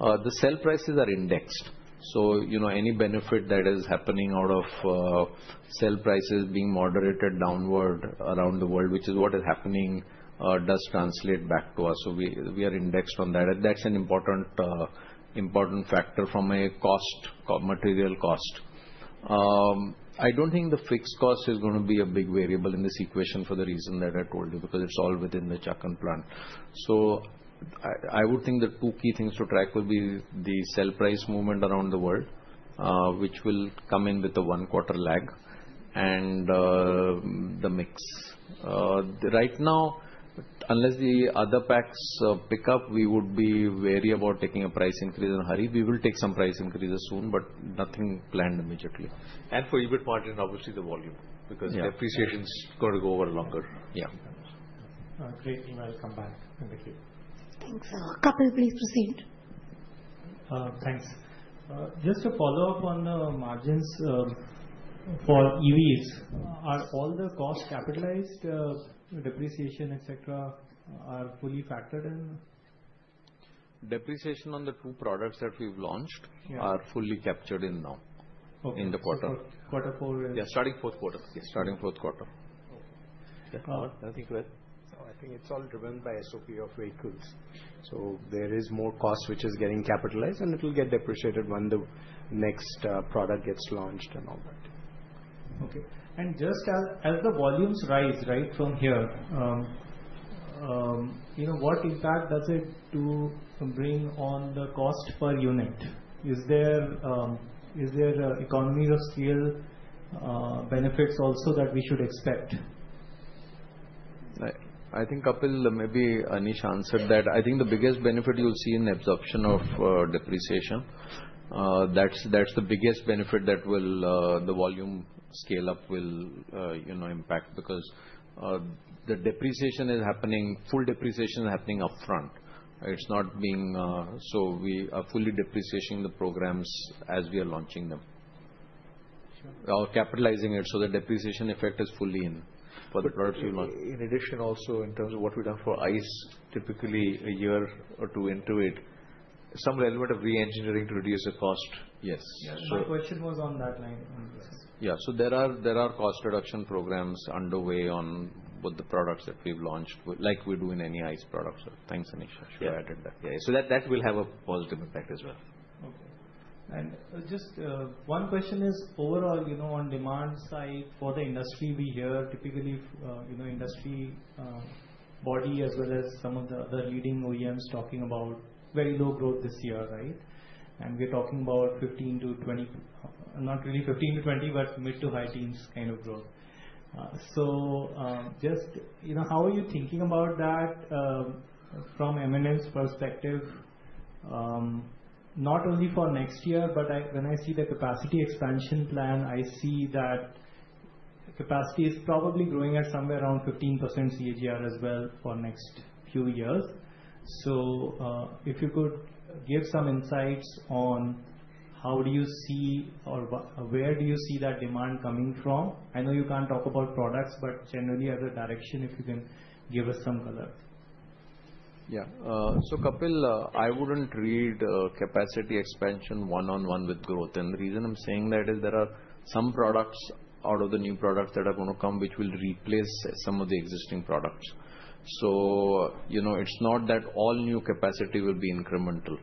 The sale prices are indexed. Any benefit that is happening out of sale prices being moderated downward around the world, which is what is happening, does translate back to us. We are indexed on that. That is an important factor from a material cost. I do not think the fixed cost is going to be a big variable in this equation for the reason that I told you, because it is all within the Chakan plant. I would think the two key things to track will be the sale price movement around the world, which will come in with the one-quarter lag, and the mix. Right now, unless the other packs pick up, we would be wary about taking a price increase in hurry. We will take some price increases soon, but nothing planned immediately. For EBIT margin, obviously the volume, because the appreciation is going to go over longer. Yeah. Great. We will come back. Thank you. Thanks. Kapil, please proceed. Thanks. Just to follow up on the margins for EVs, are all the costs capitalized, depreciation, et cetera, fully factored in? Depreciation on the two products that we've launched are fully captured in now, in the quarter. Quarter four? Yeah. Starting fourth quarter. Okay. Yeah. Nothing to add. I think it's all driven by SOP of vehicles. There is more cost which is getting capitalized, and it will get depreciated when the next product gets launched and all that. Okay. Just as the volumes rise, right, from here, what impact does it bring on the cost per unit? Is there economies of scale benefits also that we should expect? I think, couple, maybe Anish answered that. I think the biggest benefit you'll see in the absorption of depreciation, that's the biggest benefit that will the volume scale-up will impact, because the depreciation is happening, full depreciation is happening upfront. It's not being, so we are fully depreciating the programs as we are launching them or capitalizing it, so the depreciation effect is fully in for the first few months. In addition, also in terms of what we've done for ICE, typically a year or two into it, some element of re-engineering to reduce the cost. Yes. Yeah. The question was on that line. Yeah. There are cost reduction programs underway on the products that we've launched, like we do in any ICE products. Thanks, Anish. I should have added that. Yeah. That will have a positive impact as well. Okay. Just one question is overall on demand side for the industry. We hear, typically industry body as well as some of the other leading OEMs talking about very low growth this year, right? We are talking about 15%-20%, not really 15%-20%, but mid to high teens kind of growth. Just how are you thinking about that from M&M's perspective, not only for next year, but when I see the capacity expansion plan, I see that capacity is probably growing at somewhere around 15% CAGR as well for next few years. If you could give some insights on how do you see or where do you see that demand coming from? I know you can't talk about products, but generally as a direction, if you can give us some color. Yeah. Kapil, I would not read capacity expansion one-on-one with growth. The reason I am saying that is there are some products out of the new products that are going to come which will replace some of the existing products. It is not that all new capacity will be incremental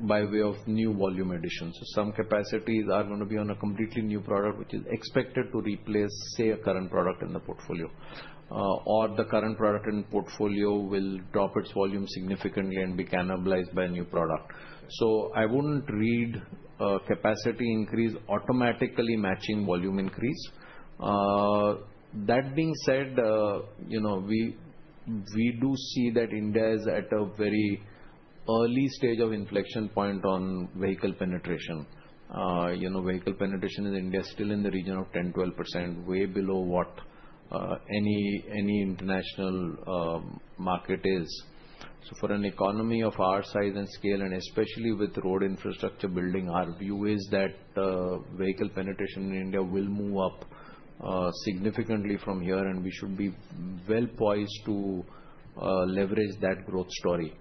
by way of new volume addition. Some capacities are going to be on a completely new product which is expected to replace, say, a current product in the portfolio, or the current product in portfolio will drop its volume significantly and be cannibalized by a new product. I would not read capacity increase automatically matching volume increase. That being said, we do see that India is at a very early stage of inflection point on vehicle penetration. Vehicle penetration in India is still in the region of 10%-12%, way below what any international market is. For an economy of our size and scale, and especially with road infrastructure building, our view is that vehicle penetration in India will move up significantly from here, and we should be well poised to leverage that growth story.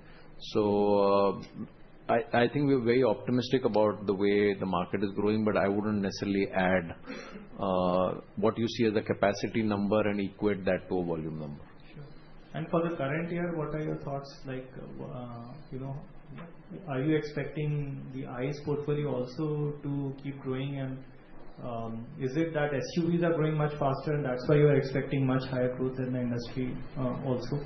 I think we're very optimistic about the way the market is growing, but I wouldn't necessarily add what you see as a capacity number and equate that to a volume number. Sure. For the current year, what are your thoughts? Are you expecting the ICE portfolio also to keep growing? Is it that SUVs are growing much faster, and that's why you are expecting much higher growth in the industry also?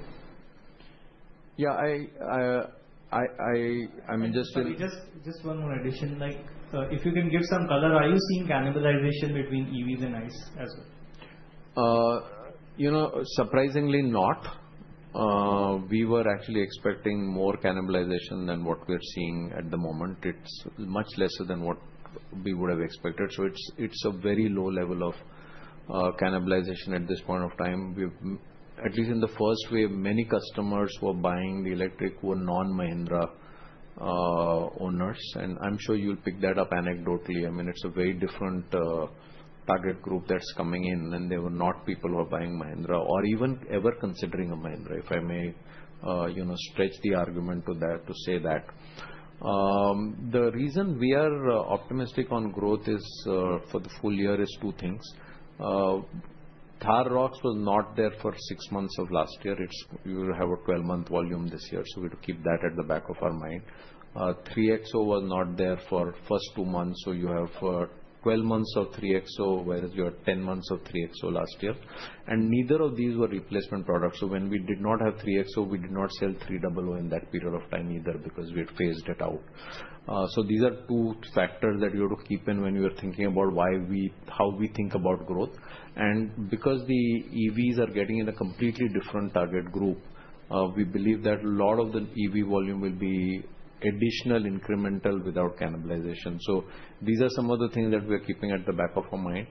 Yeah. I mean, just. And just one more addition. If you can give some color, are you seeing cannibalization between EVs and ICE as well? Surprisingly, not. We were actually expecting more cannibalization than what we're seeing at the moment. It's much lesser than what we would have expected. It's a very low level of cannibalization at this point of time. At least in the first wave, many customers who are buying the electric were non-Mahindra owners. I'm sure you'll pick that up anecdotally. I mean, it's a very different target group that's coming in, and they were not people who are buying Mahindra or even ever considering a Mahindra, if I may stretch the argument to say that. The reason we are optimistic on growth for the full year is two things. Thar ROXX was not there for six months of last year. You have a 12-month volume this year, so we'll keep that at the back of our mind. 3XO was not there for the first two months, so you have 12 months of 3XO, whereas you had 10 months of 3XO last year. Neither of these were replacement products. When we did not have 3XO, we did not sell 300 in that period of time either because we had phased it out. These are two factors that you have to keep in when you are thinking about how we think about growth. Because the EVs are getting in a completely different target group, we believe that a lot of the EV volume will be additional incremental without cannibalization. These are some of the things that we are keeping at the back of our mind.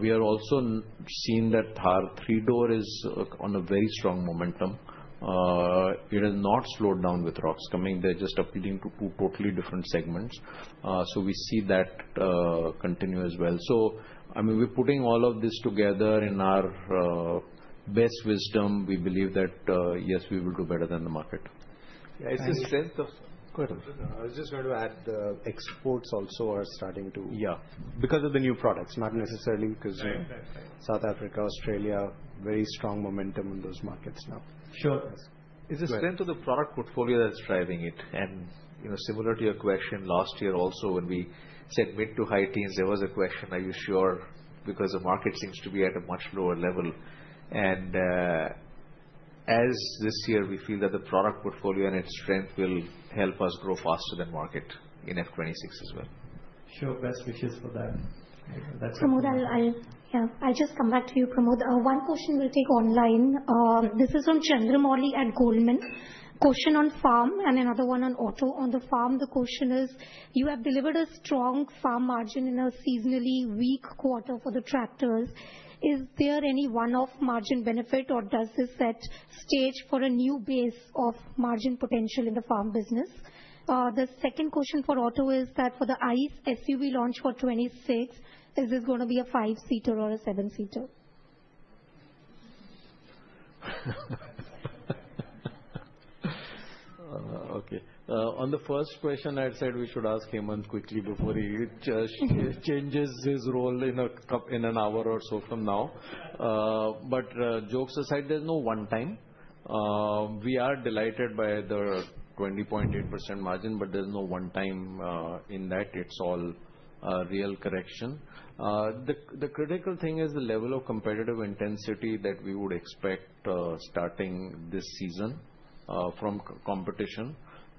We are also seeing that Thar 3-Door is on a very strong momentum. It has not slowed down with ROXX coming. They're just updating to two totally different segments. We see that continue as well. I mean, we're putting all of this together in our best wisdom. We believe that, yes, we will do better than the market. Yeah. It's a strength. Go ahead. I was just going to add the exports also are starting to. Yeah. Because of the new products, not necessarily because South Africa, Australia, very strong momentum in those markets now. Sure. Yes. It's a strength of the product portfolio that's driving it. Similar to your question last year also, when we said mid to high teens, there was a question, "Are you sure?" because the market seems to be at a much lower level. As this year, we feel that the product portfolio and its strength will help us grow faster than market in F2026 as well. Sure. Best wishes for that. Pramod, yeah, I'll just come back to you. Pramod, one question we'll take online. This is from Chandramouli at Goldman Sachs. Question on farm and another one on auto. On the farm, the question is, "You have delivered a strong farm margin in a seasonally weak quarter for the tractors. Is there any one-off margin benefit, or does this set stage for a new base of margin potential in the farm business?" The second question for auto is that for the ICE SUV launch for 2026, is this going to be a five-seater or a seven-seater? Okay. On the first question, I'd say we should ask Hemant quickly before he changes his role in an hour or so from now. Jokes aside, there's no one time. We are delighted by the 20.8% margin, but there's no one time in that. It's all real correction. The critical thing is the level of competitive intensity that we would expect starting this season from competition.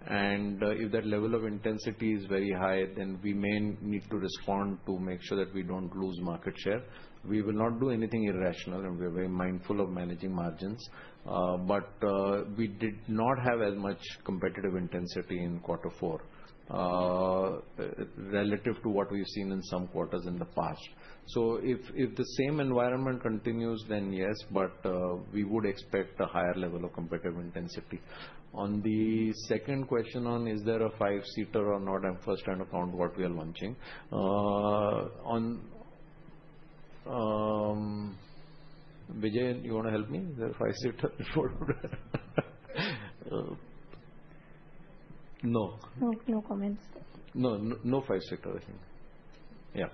If that level of intensity is very high, then we may need to respond to make sure that we don't lose market share. We will not do anything irrational, and we are very mindful of managing margins. We did not have as much competitive intensity in quarter four relative to what we've seen in some quarters in the past. If the same environment continues, then yes, but we would expect a higher level of competitive intensity. On the second question on is there a five-seater or not, I'm first trying to count what we are launching. Vijay, you want to help me? Is there a five-seater? No. No comments. No. No five-seater, I think. Yeah.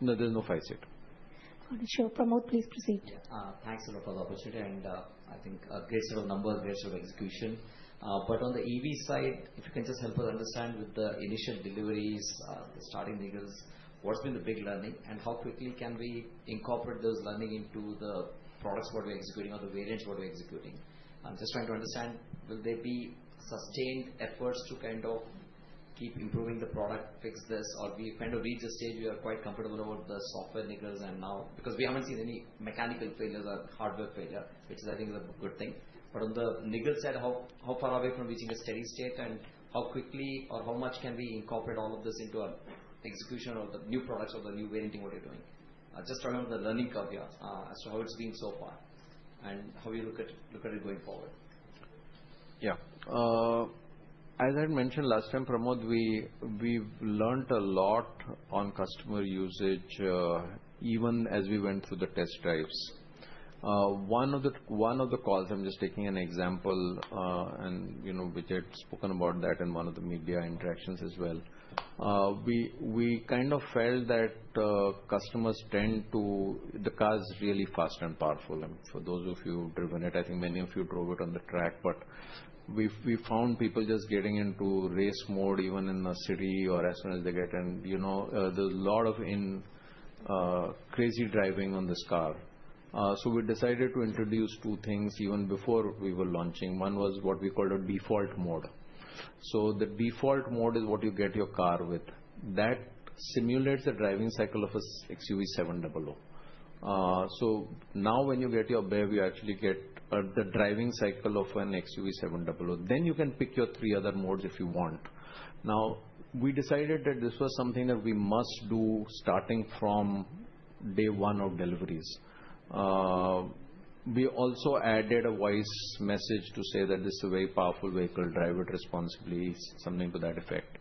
No, there's no five-seater. Got it. Sure. Pramod, please proceed. Thanks a lot for the opportunity. I think a great sort of number, great sort of execution. On the EV side, if you can just help us understand with the initial deliveries, the starting vehicles, what's been the big learning, and how quickly can we incorporate those learning into the products what we're executing or the variants what we're executing? I'm just trying to understand, will there be sustained efforts to kind of keep improving the product, fix this, or we've kind of reached a stage we are quite comfortable about the software niggles and now because we haven't seen any mechanical failures or hardware failure, which I think is a good thing. On the niggle side, how far are we from reaching a steady state and how quickly or how much can we incorporate all of this into an execution of the new products or the new varianting what we're doing? Just talking about the learning curve here as to how it's been so far and how we look at it going forward. Yeah. As I had mentioned last time, Pramod, we've learned a lot on customer usage even as we went through the test drives. One of the calls, I'm just taking an example, and Vijay had spoken about that in one of the media interactions as well. We kind of felt that customers tend to, the car is really fast and powerful. For those of you who've driven it, I think many of you drove it on the track, but we found people just getting into race mode even in the city or as soon as they get. There's a lot of crazy driving on this car. We decided to introduce two things even before we were launching. One was what we called a default mode. The default mode is what you get your car with. That simulates the driving cycle of an XUV700. Now when you get your BEV, you actually get the driving cycle of an XUV700. You can pick your three other modes if you want. We decided that this was something that we must do starting from day one of deliveries. We also added a voice message to say that this is a very powerful vehicle. Drive it responsibly, something to that effect.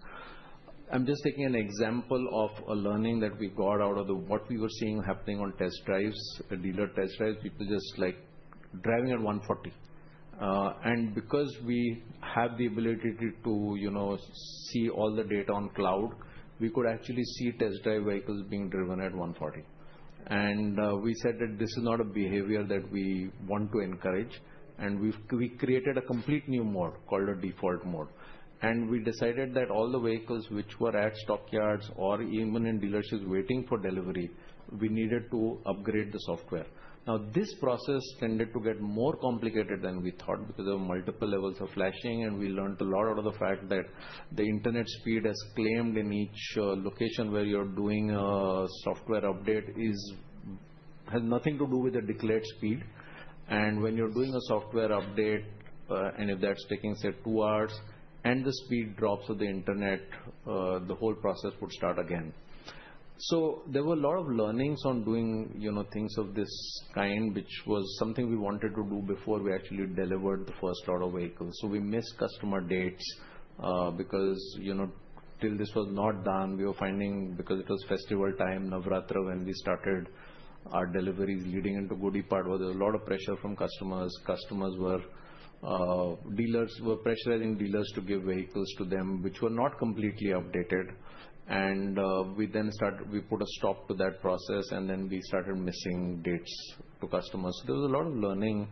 I'm just taking an example of a learning that we got out of what we were seeing happening on test drives, dealer test drives. People just like driving at 140. Because we have the ability to see all the data on cloud, we could actually see test drive vehicles being driven at 140. We said that this is not a behavior that we want to encourage. We created a complete new mode called a default mode. We decided that all the vehicles which were at stock yards or even in dealerships waiting for delivery, we needed to upgrade the software. This process tended to get more complicated than we thought because of multiple levels of flashing, and we learned a lot out of the fact that the internet speed as claimed in each location where you're doing a software update has nothing to do with the declared speed. When you're doing a software update, and if that's taking, say, two hours and the speed drops of the internet, the whole process would start again. There were a lot of learnings on doing things of this kind, which was something we wanted to do before we actually delivered the first lot of vehicles. We missed customer dates because till this was not done, we were finding because it was festival time, Navratri, when we started our deliveries leading into Gudi Padwa. There was a lot of pressure from customers. Dealers were pressurizing dealers to give vehicles to them, which were not completely updated. We then put a stop to that process, and then we started missing dates to customers. There was a lot of learning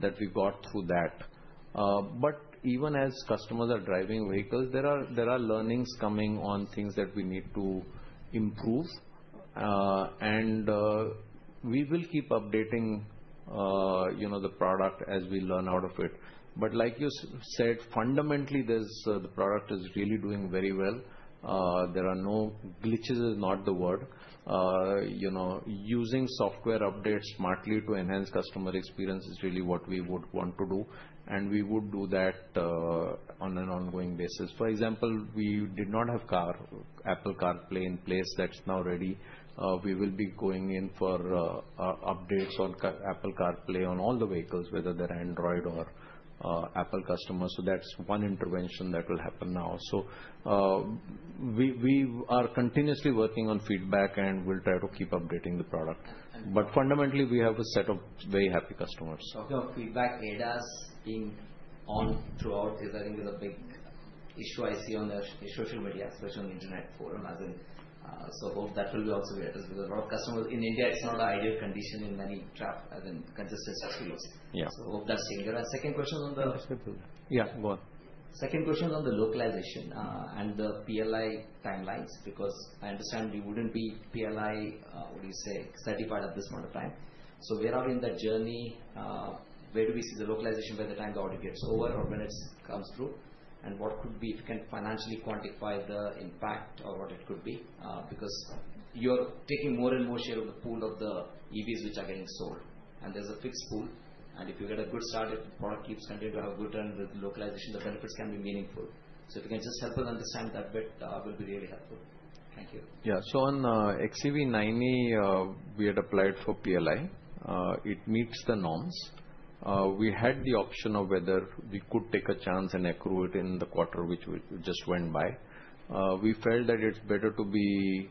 that we got through that. Even as customers are driving vehicles, there are learnings coming on things that we need to improve. We will keep updating the product as we learn out of it. Like you said, fundamentally, the product is really doing very well. Glitches is not the word. Using software updates smartly to enhance customer experience is really what we would want to do. We would do that on an ongoing basis. For example, we did not have Apple CarPlay in place. That is now ready. We will be going in for updates on Apple CarPlay on all the vehicles, whether they are Android or Apple customers. That is one intervention that will happen now. We are continuously working on feedback, and we will try to keep updating the product. Fundamentally, we have a set of very happy customers. Talking of feedback, ADAS being on throughout is, I think, a big issue I see on the social media, especially on the internet forum. I hope that will be also with us because a lot of customers in India, it's not an ideal condition in many consistent streets. I hope that's changing. There are second questions on the. Yeah. Go on. Second question is on the localization and the PLI timelines because I understand you wouldn't be PLI, what do you say, study part at this point of time. Where are we in that journey? Where do we see the localization by the time the order gets over or when it comes through? What could be, if you can financially quantify the impact or what it could be? You're taking more and more share of the pool of the EVs which are getting sold. There's a fixed pool. If you get a good start, if the product keeps continuing to have a good turn with localization, the benefits can be meaningful. If you can just help us understand that bit, that will be really helpful. Thank you. Yeah. On XEV 9e, we had applied for PLI. It meets the norms. We had the option of whether we could take a chance and accrue it in the quarter which just went by. We felt that it's better to be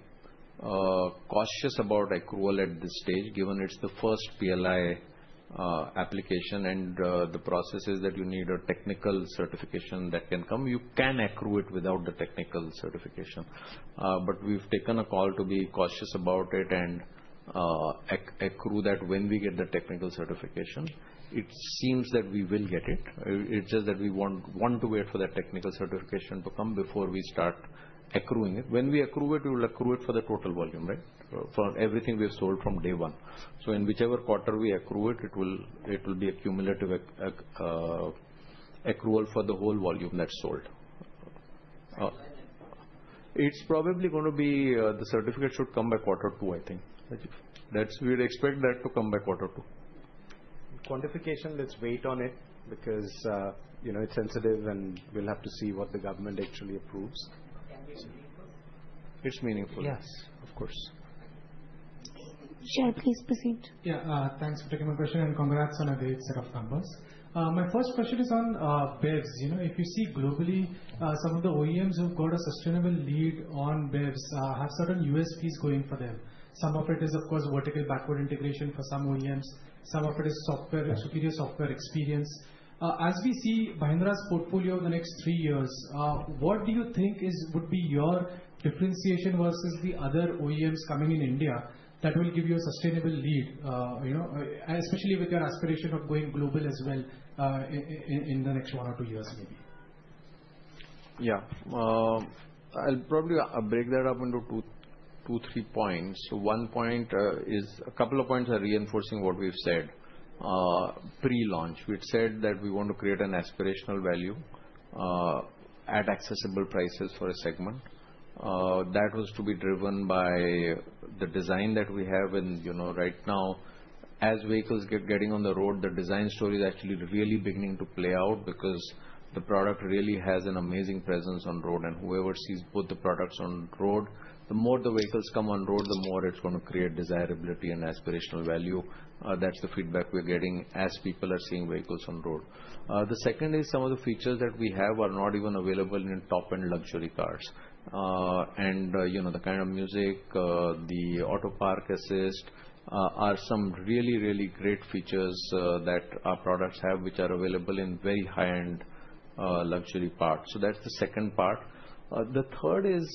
cautious about accrual at this stage given it's the first PLI application and the process is that you need a technical certification that can come. You can accrue it without the technical certification. We have taken a call to be cautious about it and accrue that when we get the technical certification. It seems that we will get it. It's just that we want to wait for that technical certification to come before we start accruing it. When we accrue it, we will accrue it for the total volume, right? For everything we have sold from day one. In whichever quarter we accrue it, it will be a cumulative accrual for the whole volume that's sold. It's probably going to be the certificate should come by quarter two, I think. We would expect that to come by quarter two. Quantification, let's wait on it because it's sensitive and we'll have to see what the government actually approves. Can be meaningful. It's meaningful. Yes. Of course. Sure. Please proceed. Yeah. Thanks for taking my question and congrats on a great set of numbers. My first question is on BEVs. If you see globally, some of the OEMs who've got a sustainable lead on BEVs have certain USPs going for them. Some of it is, of course, vertical backward integration for some OEMs. Some of it is superior software experience. As we see Mahindra's portfolio in the next three years, what do you think would be your differentiation versus the other OEMs coming in India that will give you a sustainable lead, especially with your aspiration of going global as well in the next one or two years maybe? Yeah. I'll probably break that up into two, three points. One point is a couple of points are reinforcing what we've said pre-launch. We'd said that we want to create an aspirational value at accessible prices for a segment. That was to be driven by the design that we have right now. As vehicles get on the road, the design story is actually really beginning to play out because the product really has an amazing presence on road. Whoever sees both the products on road, the more the vehicles come on road, the more it's going to create desirability and aspirational value. That's the feedback we're getting as people are seeing vehicles on road. The second is some of the features that we have are not even available in top-end luxury cars. The kind of music, the auto park assist are some really, really great features that our products have, which are available in very high-end luxury parts. That is the second part. The third is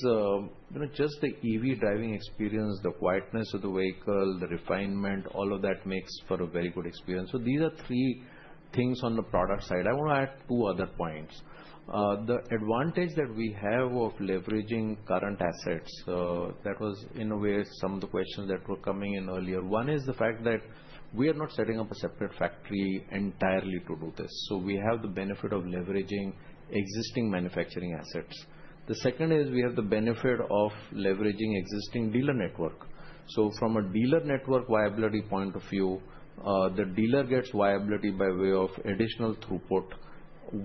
just the EV driving experience, the quietness of the vehicle, the refinement, all of that makes for a very good experience. These are three things on the product side. I want to add two other points. The advantage that we have of leveraging current assets, that was in a way some of the questions that were coming in earlier. One is the fact that we are not setting up a separate factory entirely to do this. We have the benefit of leveraging existing manufacturing assets. The second is we have the benefit of leveraging existing dealer network. From a dealer network viability point of view, the dealer gets viability by way of additional throughput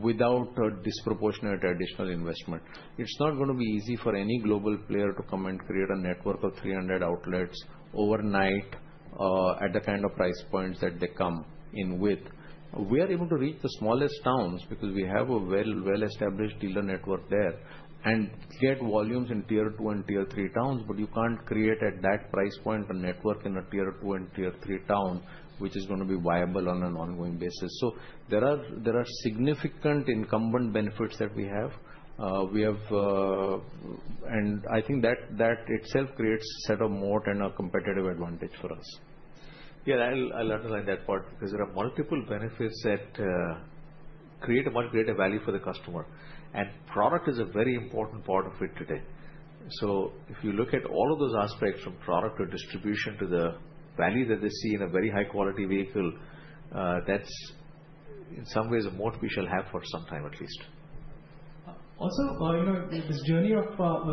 without disproportionate additional investment. It's not going to be easy for any global player to come and create a network of 300 outlets overnight at the kind of price points that they come in with. We are able to reach the smallest towns because we have a well-established dealer network there and get volumes in Tier-2 and Tier-3 towns, but you can't create at that price point a network in a Tier-2 and Tier-3 town, which is going to be viable on an ongoing basis. There are significant incumbent benefits that we have. I think that itself creates a set of more and a competitive advantage for us. Yeah. I'll underline that part because there are multiple benefits that create a much greater value for the customer. Product is a very important part of it today. If you look at all of those aspects from product to distribution to the value that they see in a very high-quality vehicle, that's in some ways a moat we shall have for some time at least. Also, this journey of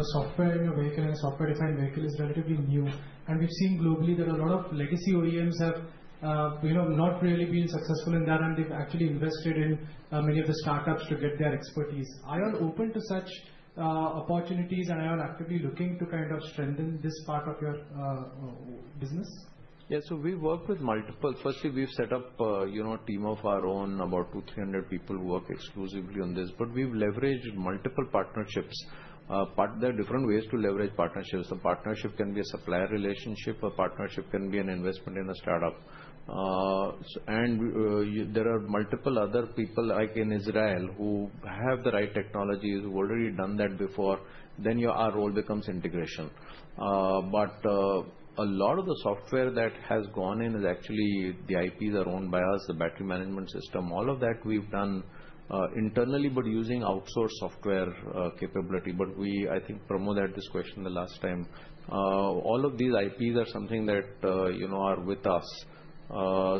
software in a vehicle and software-defined vehicle is relatively new. We have seen globally that a lot of legacy OEMs have not really been successful in that, and they have actually invested in many of the startups to get their expertise. Are you all open to such opportunities, and are you all actively looking to kind of strengthen this part of your business? Yeah. We work with multiple. Firstly, we've set up a team of our own, about 200-300 people who work exclusively on this. We've leveraged multiple partnerships. There are different ways to leverage partnerships. A partnership can be a supplier relationship. A partnership can be an investment in a startup. There are multiple other people like in Israel who have the right technologies, who've already done that before. Your role becomes integration. A lot of the software that has gone in is actually the IPs are owned by us, the battery management system. All of that we've done internally, using outsourced software capability. I think Pramod had this question the last time. All of these IPs are something that are with us. I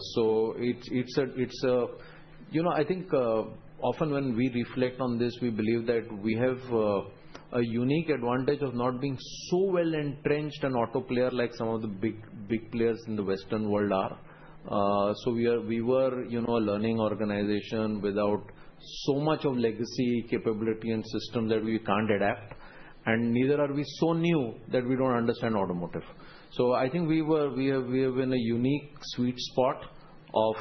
think often when we reflect on this, we believe that we have a unique advantage of not being so well entrenched an auto player like some of the big players in the Western world are. We were a learning organization without so much of legacy capability and system that we can't adapt. And neither are we so new that we don't understand automotive. I think we have been a unique sweet spot of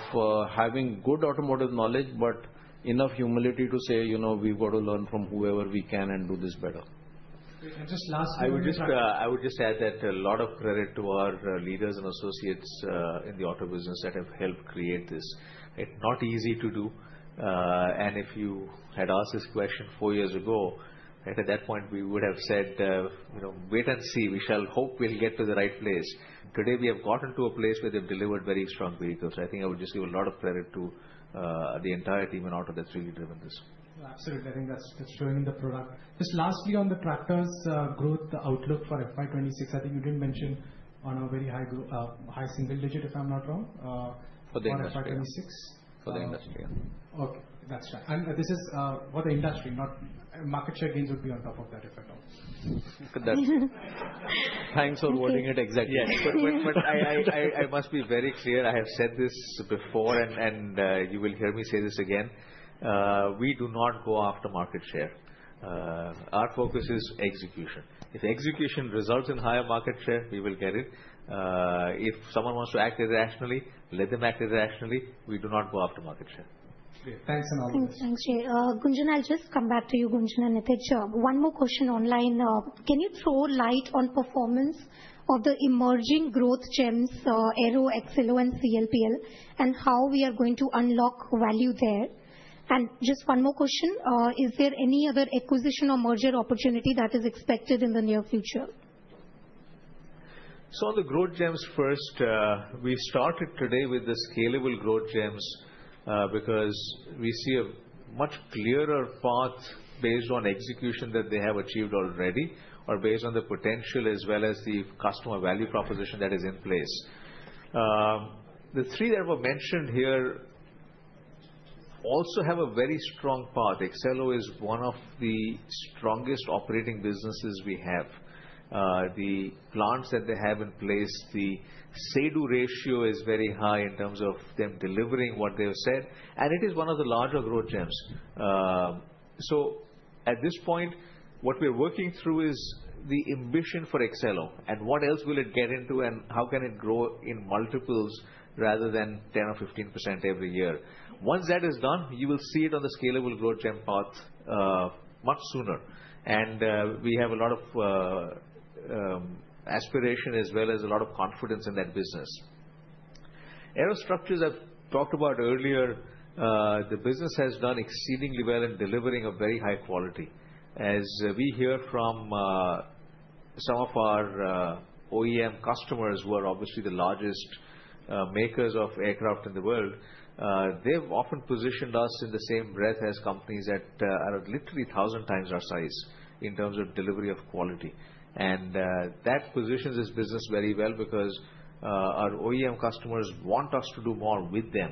having good automotive knowledge, but enough humility to say we've got to learn from whoever we can and do this better. Just lastly. I would just add that a lot of credit to our leaders and associates in the auto business that have helped create this. It's not easy to do. If you had asked this question four years ago, at that point, we would have said, "Wait and see. We shall hope we'll get to the right place." Today, we have gotten to a place where they've delivered very strong vehicles. I think I would just give a lot of credit to the entire team in auto that's really driven this. Absolutely. I think that's true in the product. Just lastly, on the tractors growth outlook for FY2026, I think you did mention on a very high single digit, if I'm not wrong. For the industry. For the industry, yeah. Okay. That's fine. This is for the industry, not market share gains would be on top of that, if at all. Thanks for wording it exactly. But I must be very clear. I have said this before, and you will hear me say this again. We do not go after market share. Our focus is execution. If execution results in higher market share, we will get it. If someone wants to act irrationally, let them act irrationally. We do not go after market share. Thanks a lot. Thanks, Jay. Gunjun, I'll just come back to you, Gunjun and Nitej. One more question online. Can you throw light on performance of the emerging growth gems, Aero, Accelo, and CLPL, and how we are going to unlock value there? Just one more question. Is there any other acquisition or merger opportunity that is expected in the near future? On the growth gems first, we started today with the scalable growth gems because we see a much clearer path based on execution that they have achieved already or based on the potential as well as the customer value proposition that is in place. The three that were mentioned here also have a very strong path. Accelo is one of the strongest operating businesses we have. The plants that they have in place, the say-do ratio is very high in terms of them delivering what they have said. It is one of the larger growth gems. At this point, what we're working through is the ambition for Accelo. What else will it get into and how can it grow in multiples rather than 10% or 15% every year? Once that is done, you will see it on the scalable growth gem path much sooner. We have a lot of aspiration as well as a lot of confidence in that business. Aerostructures, I have talked about earlier. The business has done exceedingly well in delivering very high quality. As we hear from some of our OEM customers, who are obviously the largest makers of aircraft in the world, they have often positioned us in the same breadth as companies that are literally a thousand times our size in terms of delivery of quality. That positions this business very well because our OEM customers want us to do more with them.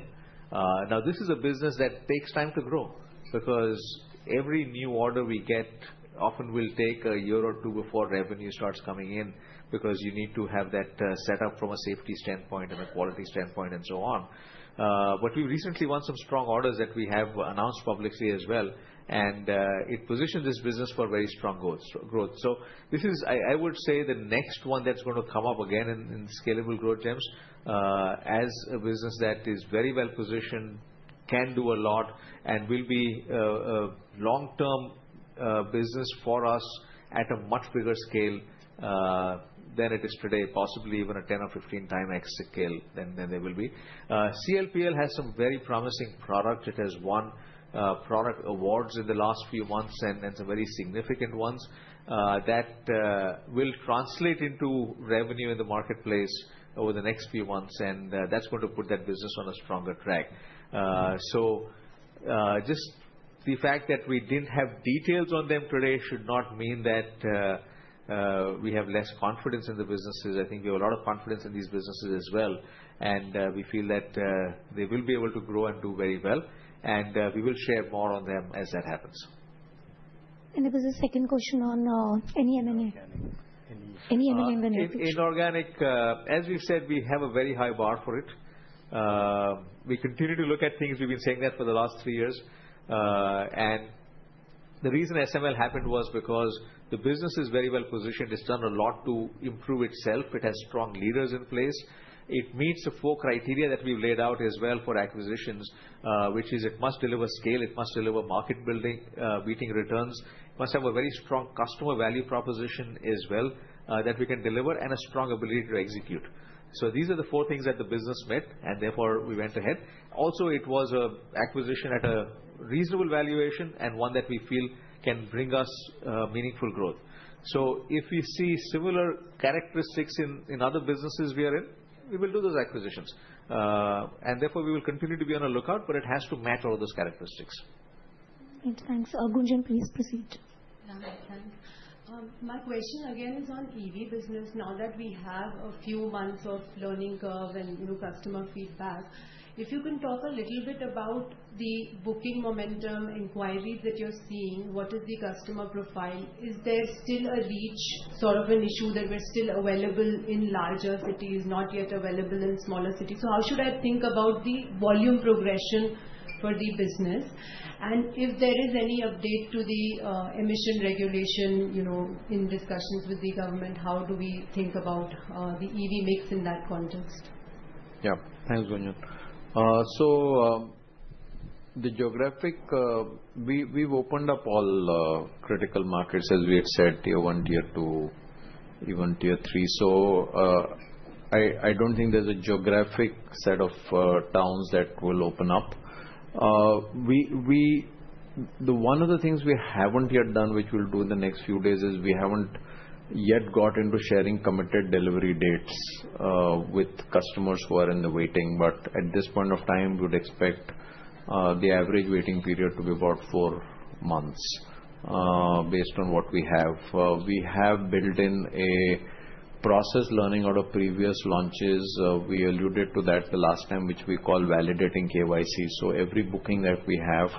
This is a business that takes time to grow because every new order we get often will take a year or two before revenue starts coming in because you need to have that set up from a safety standpoint and a quality standpoint and so on. We recently won some strong orders that we have announced publicly as well. It positions this business for very strong growth. This is, I would say, the next one that's going to come up again in scalable growth gems. As a business that is very well positioned, can do a lot, and will be a long-term business for us at a much bigger scale than it is today, possibly even a 10- or 15-time X scale than there will be. CLPL has some very promising products. It has won product awards in the last few months and some very significant ones that will translate into revenue in the marketplace over the next few months. That's going to put that business on a stronger track. Just the fact that we didn't have details on them today should not mean that we have less confidence in the businesses. I think we have a lot of confidence in these businesses as well. We feel that they will be able to grow and do very well. We will share more on them as that happens. There was a second question on any M&A. Any M&A benefits? Inorganic, as we've said, we have a very high bar for it. We continue to look at things. We've been saying that for the last three years. The reason SML happened was because the business is very well positioned. It's done a lot to improve itself. It has strong leaders in place. It meets the four criteria that we've laid out as well for acquisitions, which is it must deliver scale. It must deliver market-beating returns. It must have a very strong customer value proposition as well that we can deliver and a strong ability to execute. These are the four things that the business met, and therefore we went ahead. Also, it was an acquisition at a reasonable valuation and one that we feel can bring us meaningful growth. If we see similar characteristics in other businesses we are in, we will do those acquisitions. Therefore, we will continue to be on the lookout, but it has to match all those characteristics. Thanks. Gunjun, please proceed. Yeah. Thanks. My question again is on EV business. Now that we have a few months of learning curve and new customer feedback, if you can talk a little bit about the booking momentum inquiries that you're seeing, what is the customer profile? Is there still a reach sort of an issue that we're still available in larger cities, not yet available in smaller cities? How should I think about the volume progression for the business? If there is any update to the emission regulation in discussions with the government, how do we think about the EV mix in that context? Yeah. Thanks, Gunjun. The geographic, we've opened up all critical markets, as we had said, Tier-1, Tier-2, even Tier-3. I don't think there's a geographic set of towns that will open up. One of the things we haven't yet done, which we'll do in the next few days, is we haven't yet got into sharing committed delivery dates with customers who are in the waiting. At this point of time, we would expect the average waiting period to be about four months based on what we have. We have built in a process learning out of previous launches. We alluded to that the last time, which we call validating KYC. Every booking that we have,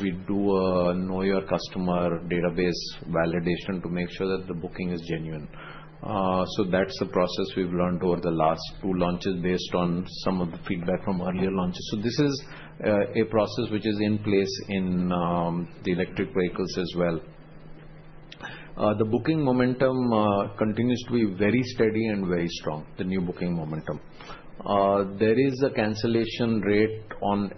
we do a know-your-customer database validation to make sure that the booking is genuine. That is the process we have learned over the last two launches based on some of the feedback from earlier launches. This is a process which is in place in the electric vehicles as well. The booking momentum continues to be very steady and very strong, the new booking momentum. There is a cancellation rate on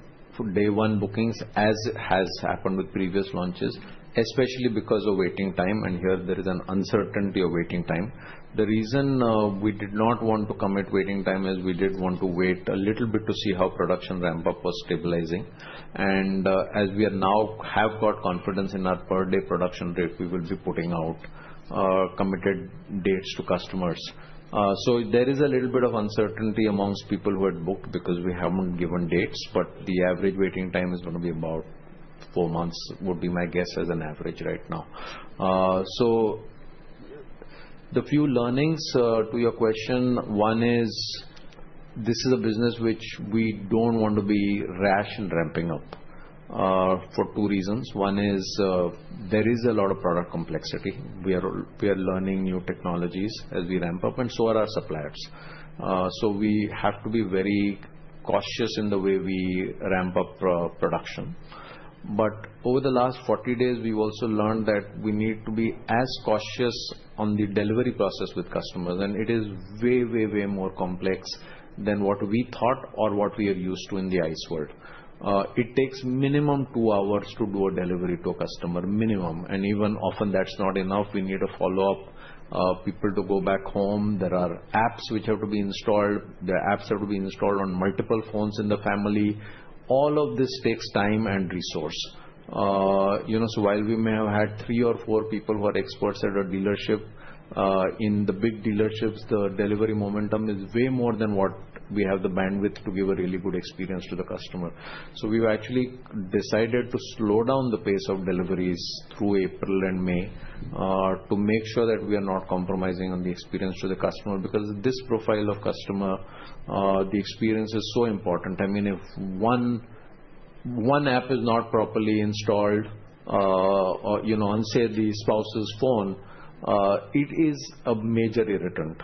day one bookings, as has happened with previous launches, especially because of waiting time. Here, there is an uncertainty of waiting time. The reason we did not want to commit waiting time is we did want to wait a little bit to see how production ramp-up was stabilizing. As we now have got confidence in our per-day production rate, we will be putting out committed dates to customers. There is a little bit of uncertainty amongst people who had booked because we have not given dates. The average waiting time is going to be about four months, would be my guess as an average right now. A few learnings to your question, one is this is a business which we do not want to be rash in ramping up for two reasons. One is there is a lot of product complexity. We are learning new technologies as we ramp up, and so are our suppliers. We have to be very cautious in the way we ramp up production. Over the last 40 days, we have also learned that we need to be as cautious on the delivery process with customers. It is way, way, way more complex than what we thought or what we are used to in the ICE world. It takes minimum two hours to do a delivery to a customer, minimum. Even often, that is not enough. We need a follow-up, people to go back home. There are apps which have to be installed. The apps have to be installed on multiple phones in the family. All of this takes time and resource. While we may have had three or four people who are experts at our dealership, in the big dealerships, the delivery momentum is way more than what we have the bandwidth to give a really good experience to the customer. We have actually decided to slow down the pace of deliveries through April and May to make sure that we are not compromising on the experience to the customer because this profile of customer, the experience is so important. I mean, if one app is not properly installed on, say, the spouse's phone, it is a major irritant.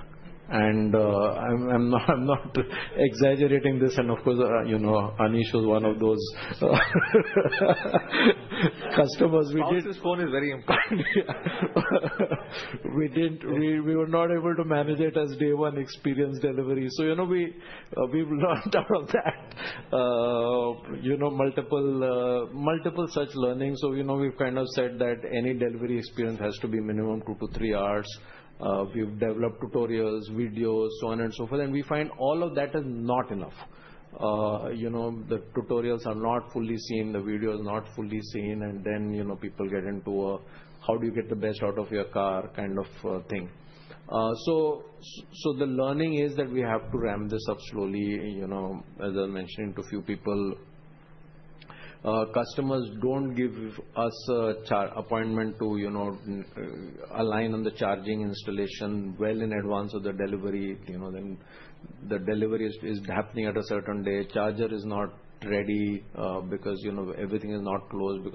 I am not exaggerating this. Of course, Anish is one of those customers. Spouse's phone is very important. We were not able to manage it as day one experience delivery. We have learned out of that, multiple such learnings. We have kind of said that any delivery experience has to be minimum two to three hours. We have developed tutorials, videos, so on and so forth. We find all of that is not enough. The tutorials are not fully seen. The video is not fully seen. People get into a, "How do you get the best out of your car?" kind of thing. The learning is that we have to ramp this up slowly. As I mentioned to a few people, customers do not give us an appointment to align on the charging installation well in advance of the delivery. The delivery is happening at a certain day. Charger is not ready because everything is not closed.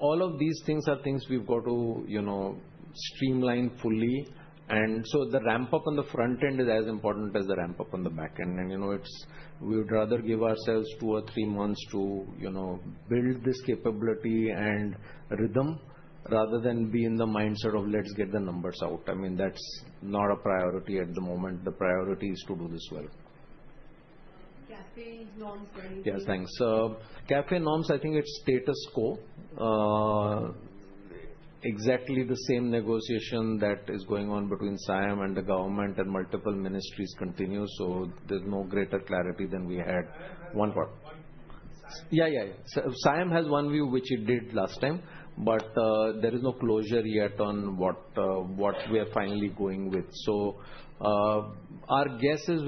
All of these things are things we've got to streamline fully. The ramp-up on the front end is as important as the ramp-up on the back end. We would rather give ourselves two or three months to build this capability and rhythm rather than be in the mindset of, "Let's get the numbers out." I mean, that's not a priority at the moment. The priority is to do this well. CAFE norms for anything? Yes, thanks. CAFEnorms, I think it's status quo. Exactly the same negotiation that is going on between SIAM and the government and multiple ministries continues. There is no greater clarity than we had one part. Yeah, yeah, yeah. SIAM has one view, which it did last time. There is no closure yet on what we are finally going with. Our guess is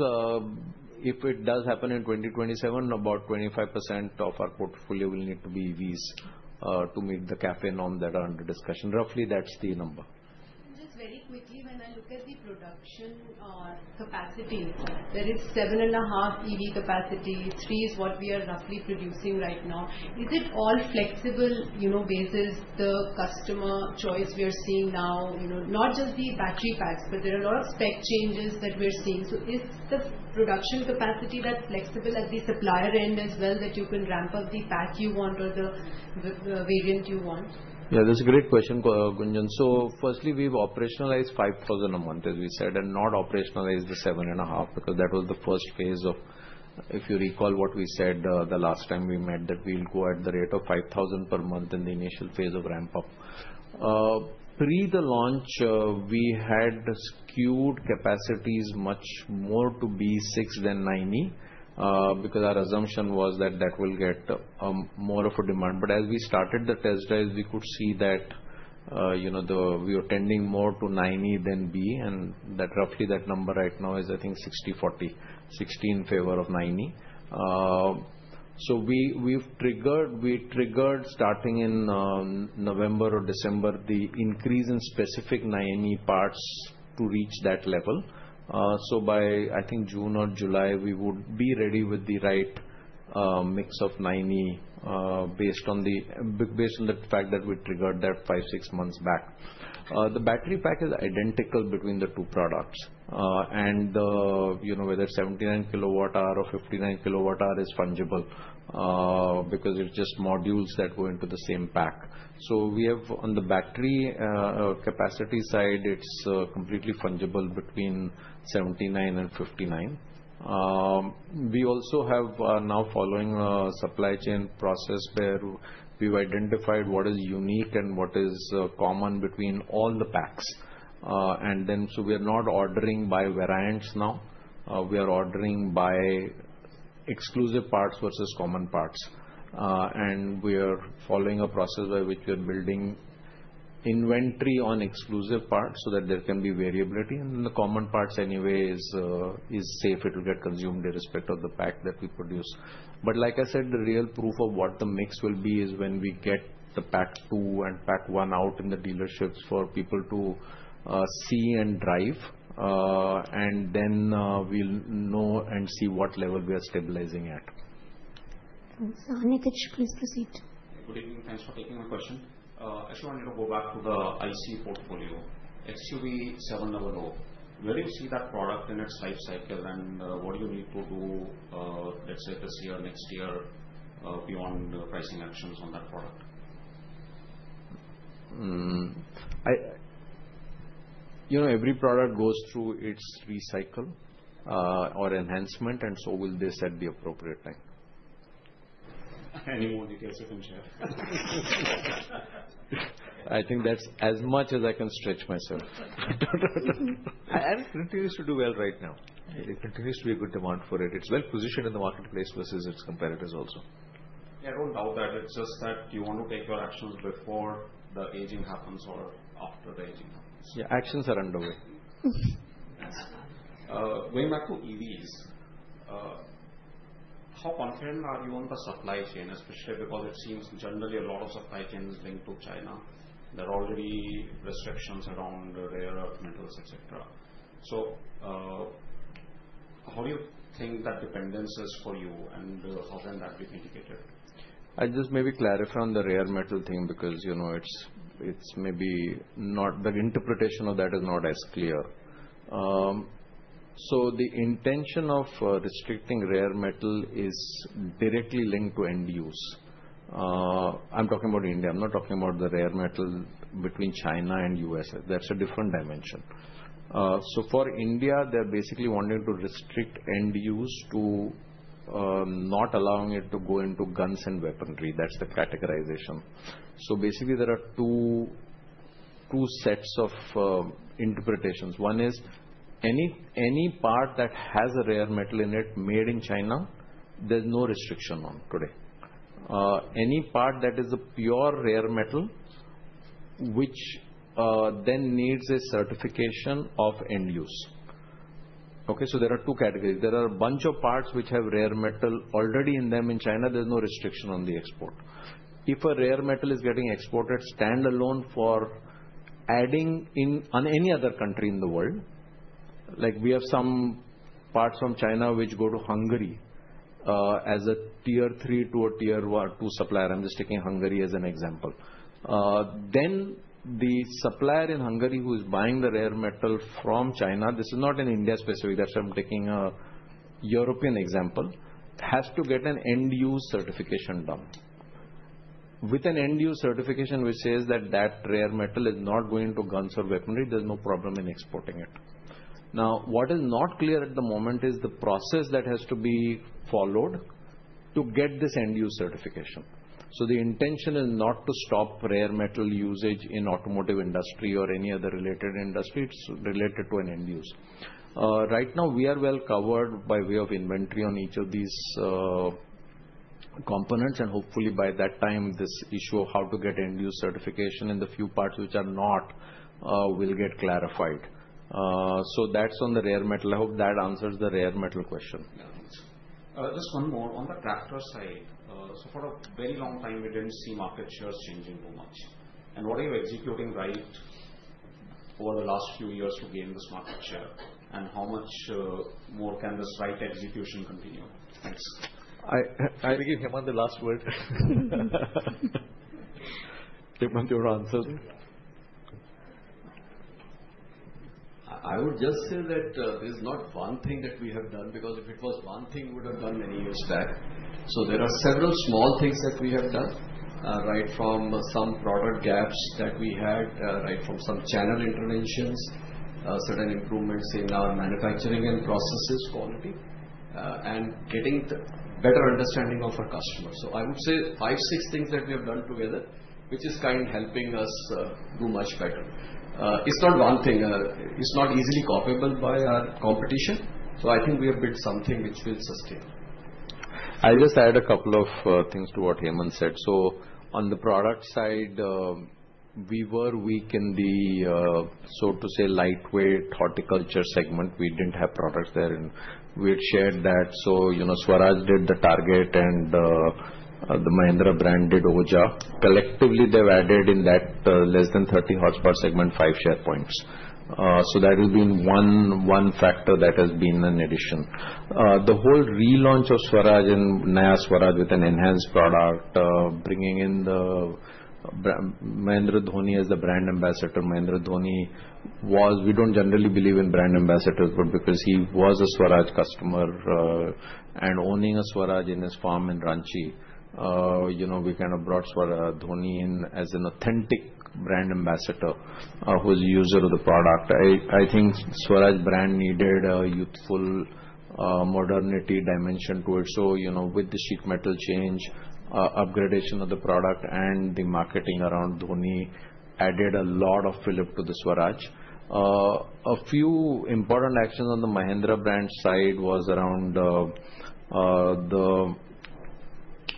if it does happen in 2027, about 25% of our portfolio will need to be EVs to meet the CAFE norms that are under discussion. Roughly, that's the number. Just very quickly, when I look at the production capacity, there is 7.5 EV capacity. Three is what we are roughly producing right now. Is it all flexible basis? The customer choice we are seeing now, not just the battery packs, but there are a lot of spec changes that we are seeing. Is the production capacity that flexible at the supplier end as well that you can ramp up the pack you want or the variant you want? Yeah, that's a great question, Gunjun. Firstly, we've operationalized 5,000 a month, as we said, and not operationalized the seven and a half because that was the first phase of, if you recall what we said the last time we met, that we'll go at the rate of 5,000 per month in the initial phase of ramp-up. Pre the launch, we had skewed capacities much more to BE 6 than 9e because our assumption was that that will get more of a demand. As we started the test drives, we could see that we were tending more to 9e than BE. Roughly, that number right now is, I think, 60-40, 60 in favor of 9e. We've triggered starting in November or December the increase in specific 9e parts to reach that level. By, I think, June or July, we would be ready with the right mix of 9e based on the fact that we triggered that five-six months back. The battery pack is identical between the two products. Whether it is 79 kWh or 59 kWh, it is fungible because it is just modules that go into the same pack. On the battery capacity side, it is completely fungible between 79 and 59. We also have now followed a supply chain process where we have identified what is unique and what is common between all the packs. We are not ordering by variants now. We are ordering by exclusive parts versus common parts. We are following a process by which we are building inventory on exclusive parts so that there can be variability. The common parts anyway are safe. It will get consumed irrespective of the pack that we produce. Like I said, the real proof of what the mix will be is when we get the Pack Two and Pack One out in the dealerships for people to see and drive. Then we'll know and see what level we are stabilizing at. Thanks. Anik, could you please proceed? Good evening. Thanks for taking my question. Actually, I wanted to go back to the ICE portfolio, XUV700. Where do you see that product in its life cycle? What do you need to do, let's say, this year, next year, beyond pricing actions on that product? Every product goes through its recycle or enhancement, and so will they set the appropriate time. Any more details you can share? I think that's as much as I can stretch myself. I think it continues to do well right now. It continues to be a good demand for it. It's well positioned in the marketplace versus its competitors also. Yeah, I don't doubt that. It's just that you want to take your actions before the aging happens or after the aging happens. Yeah, actions are underway. Thanks. Going back to EVs, how confident are you on the supply chain, especially because it seems generally a lot of supply chain is linked to China? There are already restrictions around rare earth metals, et cetera. How do you think that dependence is for you? How can that be mitigated? I'll just maybe clarify on the rare metal thing because it's maybe not the interpretation of that is not as clear. The intention of restricting rare metal is directly linked to end use. I'm talking about India. I'm not talking about the rare metal between China and the U.S. That's a different dimension. For India, they're basically wanting to restrict end use to not allowing it to go into guns and weaponry. That's the categorization. Basically, there are two sets of interpretations. One is any part that has a rare metal in it made in China, there's no restriction on today. Any part that is a pure rare metal, which then needs a certification of end use. Okay? There are two categories. There are a bunch of parts which have rare metal already in them in China. There's no restriction on the export. If a rare metal is getting exported standalone for adding in any other country in the world, like we have some parts from China which go to Hungary as a Tier-3 to a Tier-2 supplier. I'm just taking Hungary as an example. The supplier in Hungary who is buying the rare metal from China, this is not India specific. That's why I'm taking a European example, has to get an end use certification done. With an end use certification which says that that rare metal is not going to guns or weaponry, there's no problem in exporting it. Now, what is not clear at the moment is the process that has to be followed to get this end use certification. The intention is not to stop rare metal usage in the automotive industry or any other related industry. It's related to an end use. Right now, we are well covered by way of inventory on each of these components. Hopefully, by that time, this issue of how to get end use certification in the few parts which are not will get clarified. That is on the rare metal. I hope that answers the rare metal question. Thanks. Just one more on the tractor side. For a very long time, we did not see market shares changing too much. What are you executing right over the last few years to gain this market share? How much more can this right execution continue? Thanks. I'll give Hemant the last word. Hemant, your answer. I would just say that there's not one thing that we have done because if it was one thing, we would have done many years back. There are several small things that we have done, right from some product gaps that we had, right from some channel interventions, certain improvements in our manufacturing and processes quality, and getting better understanding of our customers. I would say five, six things that we have done together, which is kind of helping us do much better. It's not one thing. It's not easily copyable by our competition. I think we have built something which will sustain. I'll just add a couple of things to what Hemant said. On the product side, we were weak in the, so to say, lightweight horticulture segment. We didn't have products there. We had shared that. Swaraj did the Target and the Mahindra brand did OJA. Collectively, they've added in that less than 30 hots for segment, five share points. That has been one factor that has been an addition. The whole relaunch of Swaraj and Naya Swaraj with an enhanced product, bringing in Mahendra Dhoni as the brand ambassador. Mahendra Dhoni was, we don't generally believe in brand ambassadors, but because he was a Swaraj customer and owning a Swaraj in his farm in Ranchi, we kind of brought Swaraj Dhoni in as an authentic brand ambassador who's a user of the product. I think Swaraj brand needed a youthful modernity dimension to it. With the sheet metal change, upgradation of the product, and the marketing around Dhoni added a lot of flip to the Swaraj. A few important actions on the Mahindra brand side was around the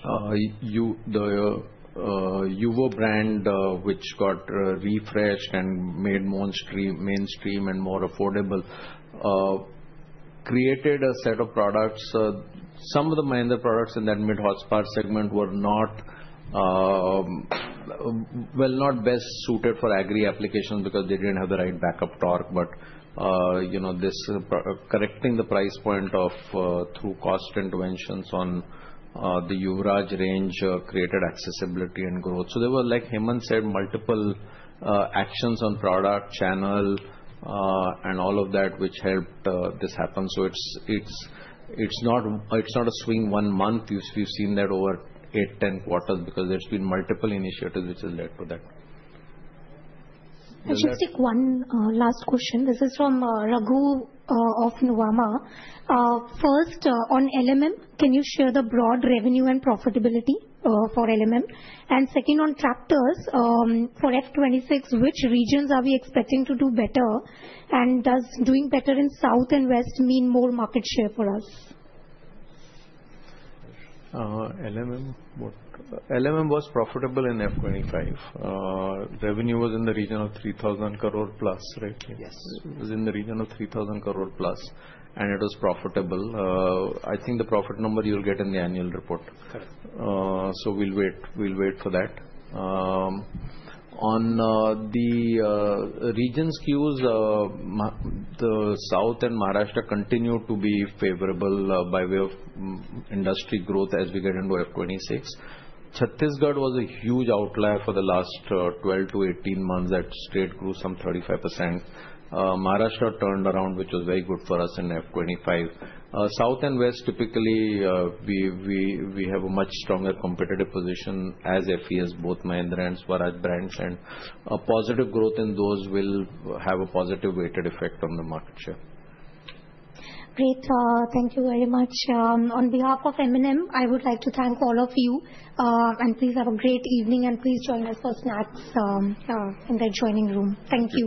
Yuvo brand, which got refreshed and made mainstream and more affordable, created a set of products. Some of the Mahindra products in that mid-hotspot segment were not, well, not best suited for agri applications because they did not have the right backup torque. This correcting the price point through cost interventions on the Yuvraj range created accessibility and growth. There were, like Hemant said, multiple actions on product channel and all of that, which helped this happen. It is not a swing one month. We have seen that over 8-10 quarters because there have been multiple initiatives which have led to that. Let's just take one last question. This is from Raghu of Nuvama. First, on LMM, can you share the broad revenue and profitability for LMM? Second, on tractors for F2026, which regions are we expecting to do better? Does doing better in south and west mean more market share for us? LMM was profitable in F2025. Revenue was in the region of 3,000 crore+, right? Yes. It was in the region of 3,000 crore+. It was profitable. I think the profit number you'll get in the annual report. Correct. We'll wait for that. On the regions cues, the south and Maharashtra continue to be favorable by way of industry growth as we get into F2026. Chhattisgarh was a huge outlier for the last 12 to 18 months that straight grew some 35%. Maharashtra turned around, which was very good for us in F2025. South and west, typically, we have a much stronger competitive position as FES, both Mahindra and Swaraj brands. Positive growth in those will have a positive weighted effect on the market share. Great. Thank you very much. On behalf of M&M, I would like to thank all of you. Please have a great evening. Please join us for snacks in the adjoining room. Thank you.